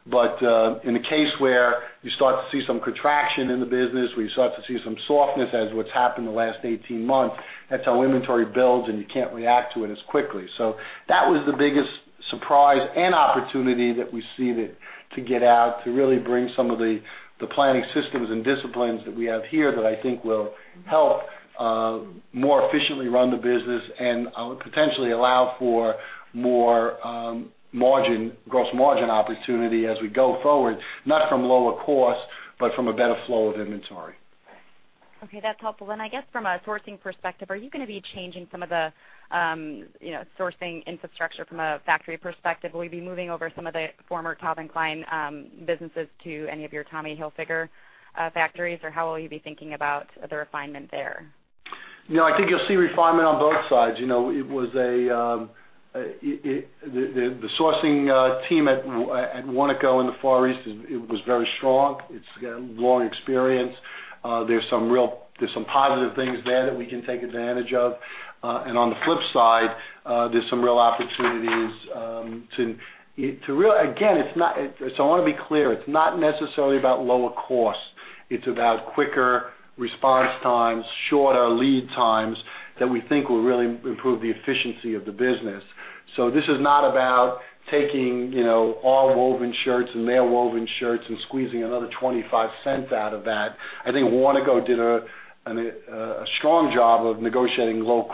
In a case where you start to see some contraction in the business, where you start to see some softness as what's happened in the last 18 months, that's how inventory builds, you can't react to it as quickly. That was the biggest surprise and opportunity that we see to get out, to really bring some of the planning systems and disciplines that we have here that I think will help more efficiently run the business, potentially allow for more gross margin opportunity as we go forward. Not from lower cost, but from a better flow of inventory. Okay, that's helpful. I guess from a sourcing perspective, are you going to be changing some of the sourcing infrastructure from a factory perspective? Will you be moving over some of the former Calvin Klein businesses to any of your Tommy Hilfiger factories? How will you be thinking about the refinement there? I think you'll see refinement on both sides. The sourcing team at Warnaco in the Far East was very strong. It's got long experience. There's some positive things there that we can take advantage of. On the flip side, there's some real opportunities to. Again, I want to be clear, it's not necessarily about lower cost. It's about quicker response times, shorter lead times that we think will really improve the efficiency of the business. This is not about taking all woven shirts and male woven shirts and squeezing another $0.25 out of that. I think Warnaco did a strong job of negotiating low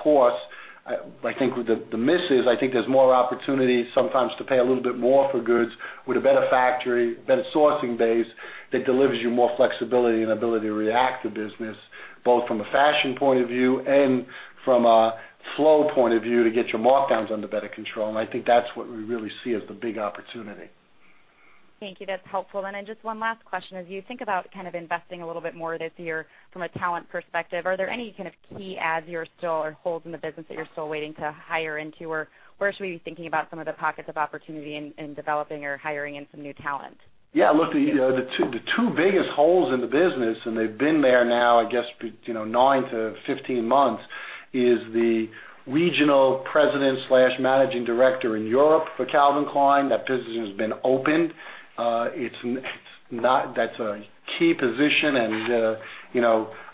cost. I think there's more opportunity sometimes to pay a little bit more for goods with a better factory, better sourcing base that delivers you more flexibility and ability to react to business, both from a fashion point of view and from a flow point of view to get your markdowns under better control. I think that's what we really see as the big opportunity. Thank you. That's helpful. Then just one last question. As you think about kind of investing a little bit more this year from a talent perspective, are there any kind of key areas or holes in the business that you're still waiting to hire into? Where should we be thinking about some of the pockets of opportunity in developing or hiring in some new talent? Yeah, look, the two biggest holes in the business, they've been there now, I guess, nine to 15 months, is the regional president/managing director in Europe for Calvin Klein. That position has been open. That's a key position, I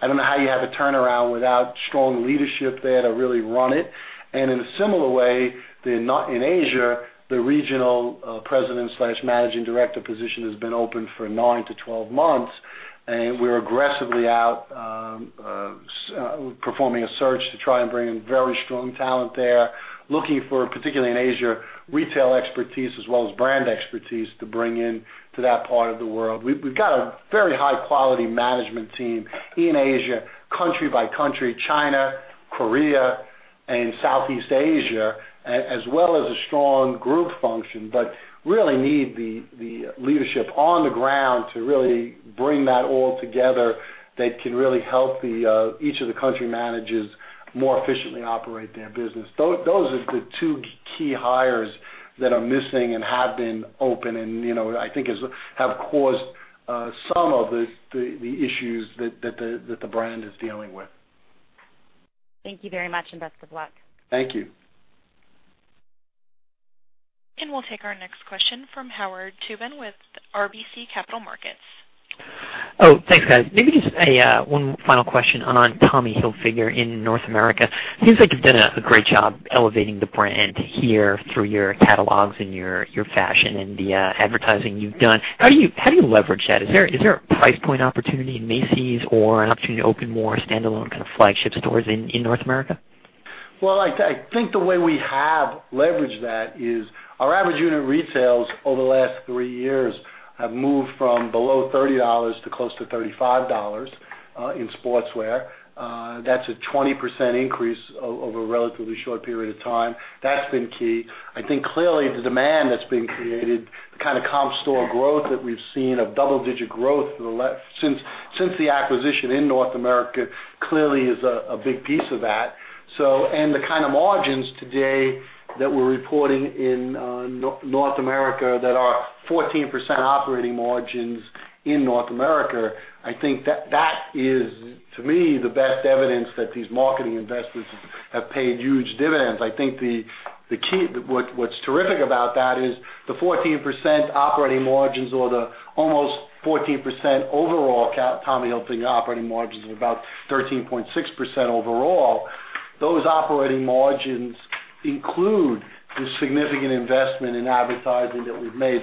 don't know how you have a turnaround without strong leadership there to really run it. In a similar way, in Asia, the regional president/managing director position has been open for nine to 12 months, and we're aggressively out performing a search to try and bring in very strong talent there. Looking for, particularly in Asia, retail expertise as well as brand expertise to bring in to that part of the world. We've got a very high-quality management team in Asia, country by country, China, Korea, and Southeast Asia, as well as a strong group function. Really need the leadership on the ground to really bring that all together that can really help each of the country managers more efficiently operate their business. Those are the two key hires that are missing and have been open, and I think have caused some of the issues that the brand is dealing with. Thank you very much, best of luck. Thank you. We'll take our next question from Howard Tubin with RBC Capital Markets. Thanks, guys. Maybe just one final question on Tommy Hilfiger in North America. Seems like you've done a great job elevating the brand here through your catalogs and your fashion and the advertising you've done. How do you leverage that? Is there a price point opportunity in Macy's or an opportunity to open more standalone kind of flagship stores in North America? Well, I think the way we have leveraged that is our average unit retails over the last three years have moved from below $30 to close to $35 in sportswear. That's a 20% increase over a relatively short period of time. That's been key. I think clearly the demand that's been created, the kind of comp store growth that we've seen, a double-digit growth since the acquisition in North America, clearly is a big piece of that. The kind of margins today that we're reporting in North America that are 14% operating margins in North America, I think that is, to me, the best evidence that these marketing investments have paid huge dividends. I think what's terrific about that is the 14% operating margins or the almost 14% overall Tommy Hilfiger operating margins of about 13.6% overall. Those operating margins include the significant investment in advertising that we've made.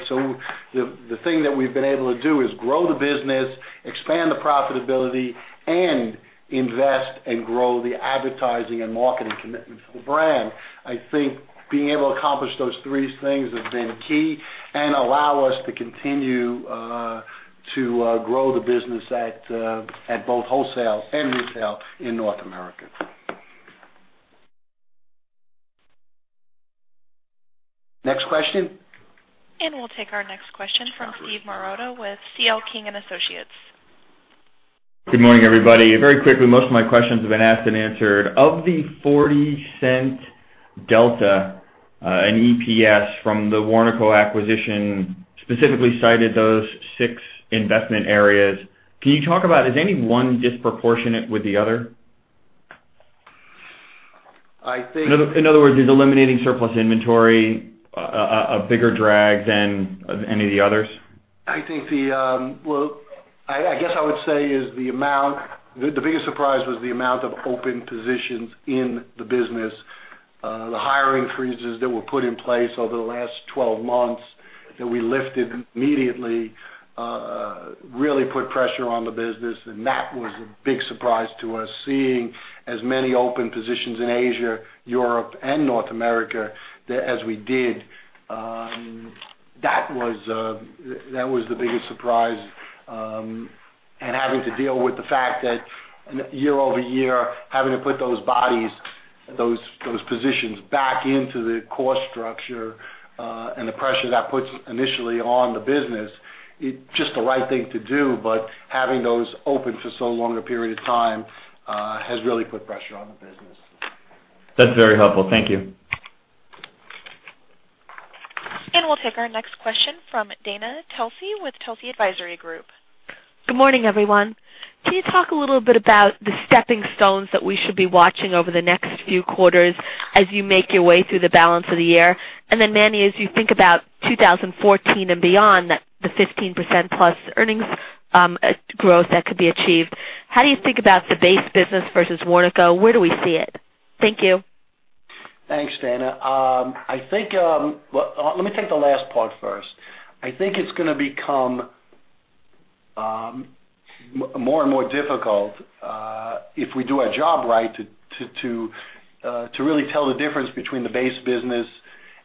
The thing that we've been able to do is grow the business, expand the profitability, and invest and grow the advertising and marketing commitment to the brand. I think being able to accomplish those three things has been key and allow us to continue to grow the business at both wholesale and retail in North America. Next question. We'll take our next question from Steven Marotta with C.L. King & Associates. Good morning, everybody. Very quickly, most of my questions have been asked and answered. Of the $0.40 delta in EPS from the Warnaco acquisition, specifically cited those six investment areas. Can you talk about, is any one disproportionate with the other? I think- In other words, is eliminating surplus inventory a bigger drag than any of the others? I guess I would say is the biggest surprise was the amount of open positions in the business. The hiring freezes that were put in place over the last 12 months that we lifted immediately, really put pressure on the business, and that was a big surprise to us. Seeing as many open positions in Asia, Europe, and North America as we did. That was the biggest surprise. Having to deal with the fact that year-over-year, having to put those bodies, those positions back into the cost structure, and the pressure that puts initially on the business, it's just the right thing to do, but having those open for so long a period of time, has really put pressure on the business. That's very helpful. Thank you. We'll take our next question from Dana Telsey with Telsey Advisory Group. Good morning, everyone. Can you talk a little bit about the stepping stones that we should be watching over the next few quarters as you make your way through the balance of the year? Then Manny, as you think about 2014 and beyond, the 15%+ earnings growth that could be achieved, how do you think about the base business versus Warnaco? Where do we see it? Thank you. Thanks, Dana. Let me take the last part first. I think it's going to become more and more difficult, if we do our job right, to really tell the difference between the base business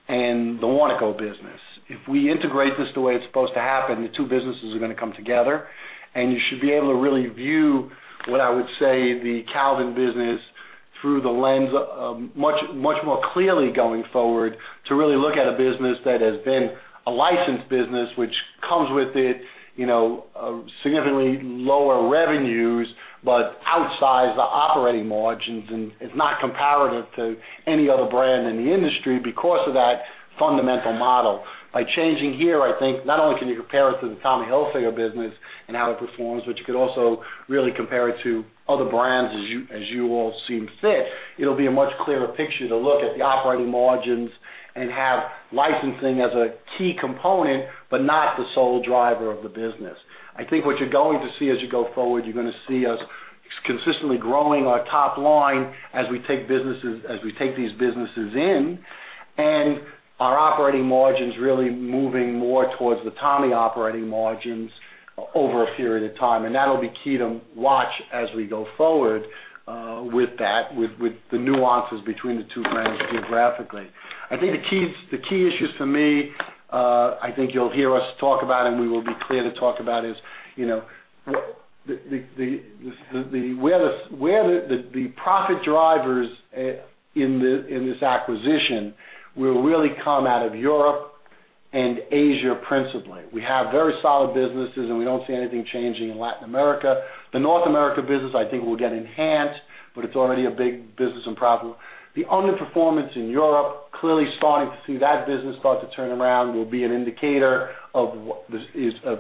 and the Warnaco business. If we integrate this the way it's supposed to happen, the two businesses are going to come together, and you should be able to really view, what I would say, the Calvin Klein business through the lens much more clearly going forward to really look at a business that has been a licensed business, which comes with it significantly lower revenues, but outsized operating margins, and is not comparative to any other brand in the industry because of that fundamental model. By changing here, I think not only can you compare it to the Tommy Hilfiger business and how it performs, but you could also really compare it to other brands as you all see fit. It'll be a much clearer picture to look at the operating margins and have licensing as a key component, but not the sole driver of the business. I think what you're going to see as you go forward, you're going to see us consistently growing our top line as we take these businesses in, and our operating margins really moving more towards the Tommy Hilfiger operating margins over a period of time. That'll be key to watch as we go forward, with the nuances between the two brands geographically. I think the key issues for me, I think you'll hear us talk about, and we will be clear to talk about is, where the profit drivers in this acquisition will really come out of Europe and Asia, principally. We have very solid businesses, and we don't see anything changing in Latin America. The North America business, I think, will get enhanced, but it's already a big business in profit. The underperformance in Europe, clearly starting to see that business start to turn around will be an indicator of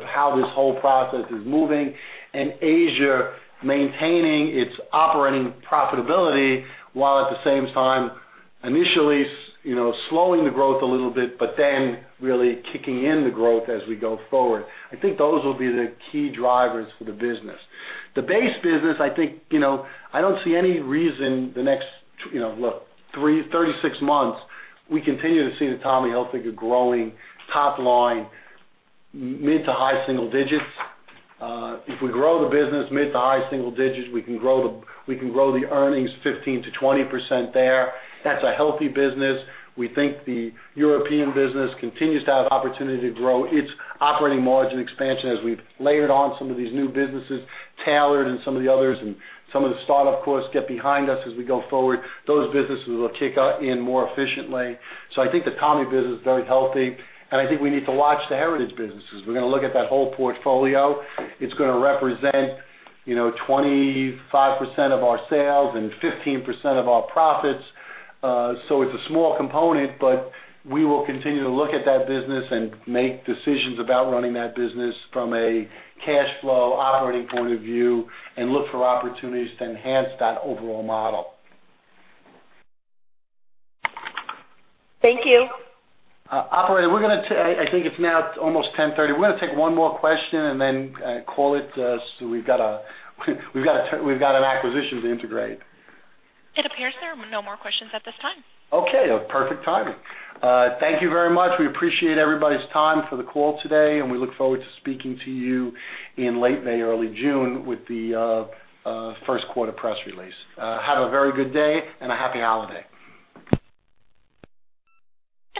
how this whole process is moving. Asia maintaining its operating profitability while at the same time initially slowing the growth a little bit, but then really kicking in the growth as we go forward. I think those will be the key drivers for the business. The base business, I don't see any reason the next, look, 36 months, we continue to see the Tommy Hilfiger growing top line mid-to-high single digits. If we grow the business mid-to-high single digits, we can grow the earnings 15%-20% there. That's a healthy business. We think the European business continues to have opportunity to grow its operating margin expansion as we've layered on some of these new businesses, Tailored and some of the others, and some of the startup costs get behind us as we go forward. Those businesses will kick in more efficiently. I think the Tommy Hilfiger business is very healthy, and I think we need to watch the Heritage businesses. We're going to look at that whole portfolio. It's going to represent 25% of our sales and 15% of our profits. It's a small component, but we will continue to look at that business and make decisions about running that business from a cash flow operating point of view and look for opportunities to enhance that overall model. Thank you. Operator, I think it's now almost 10:30 A.M. We're going to take one more question and then call it. We've got an acquisition to integrate. It appears there are no more questions at this time. Okay. Perfect timing. Thank you very much. We appreciate everybody's time for the call today, and we look forward to speaking to you in late May, early June with the first quarter press release. Have a very good day and a happy holiday.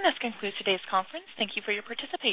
This concludes today's conference. Thank you for your participation.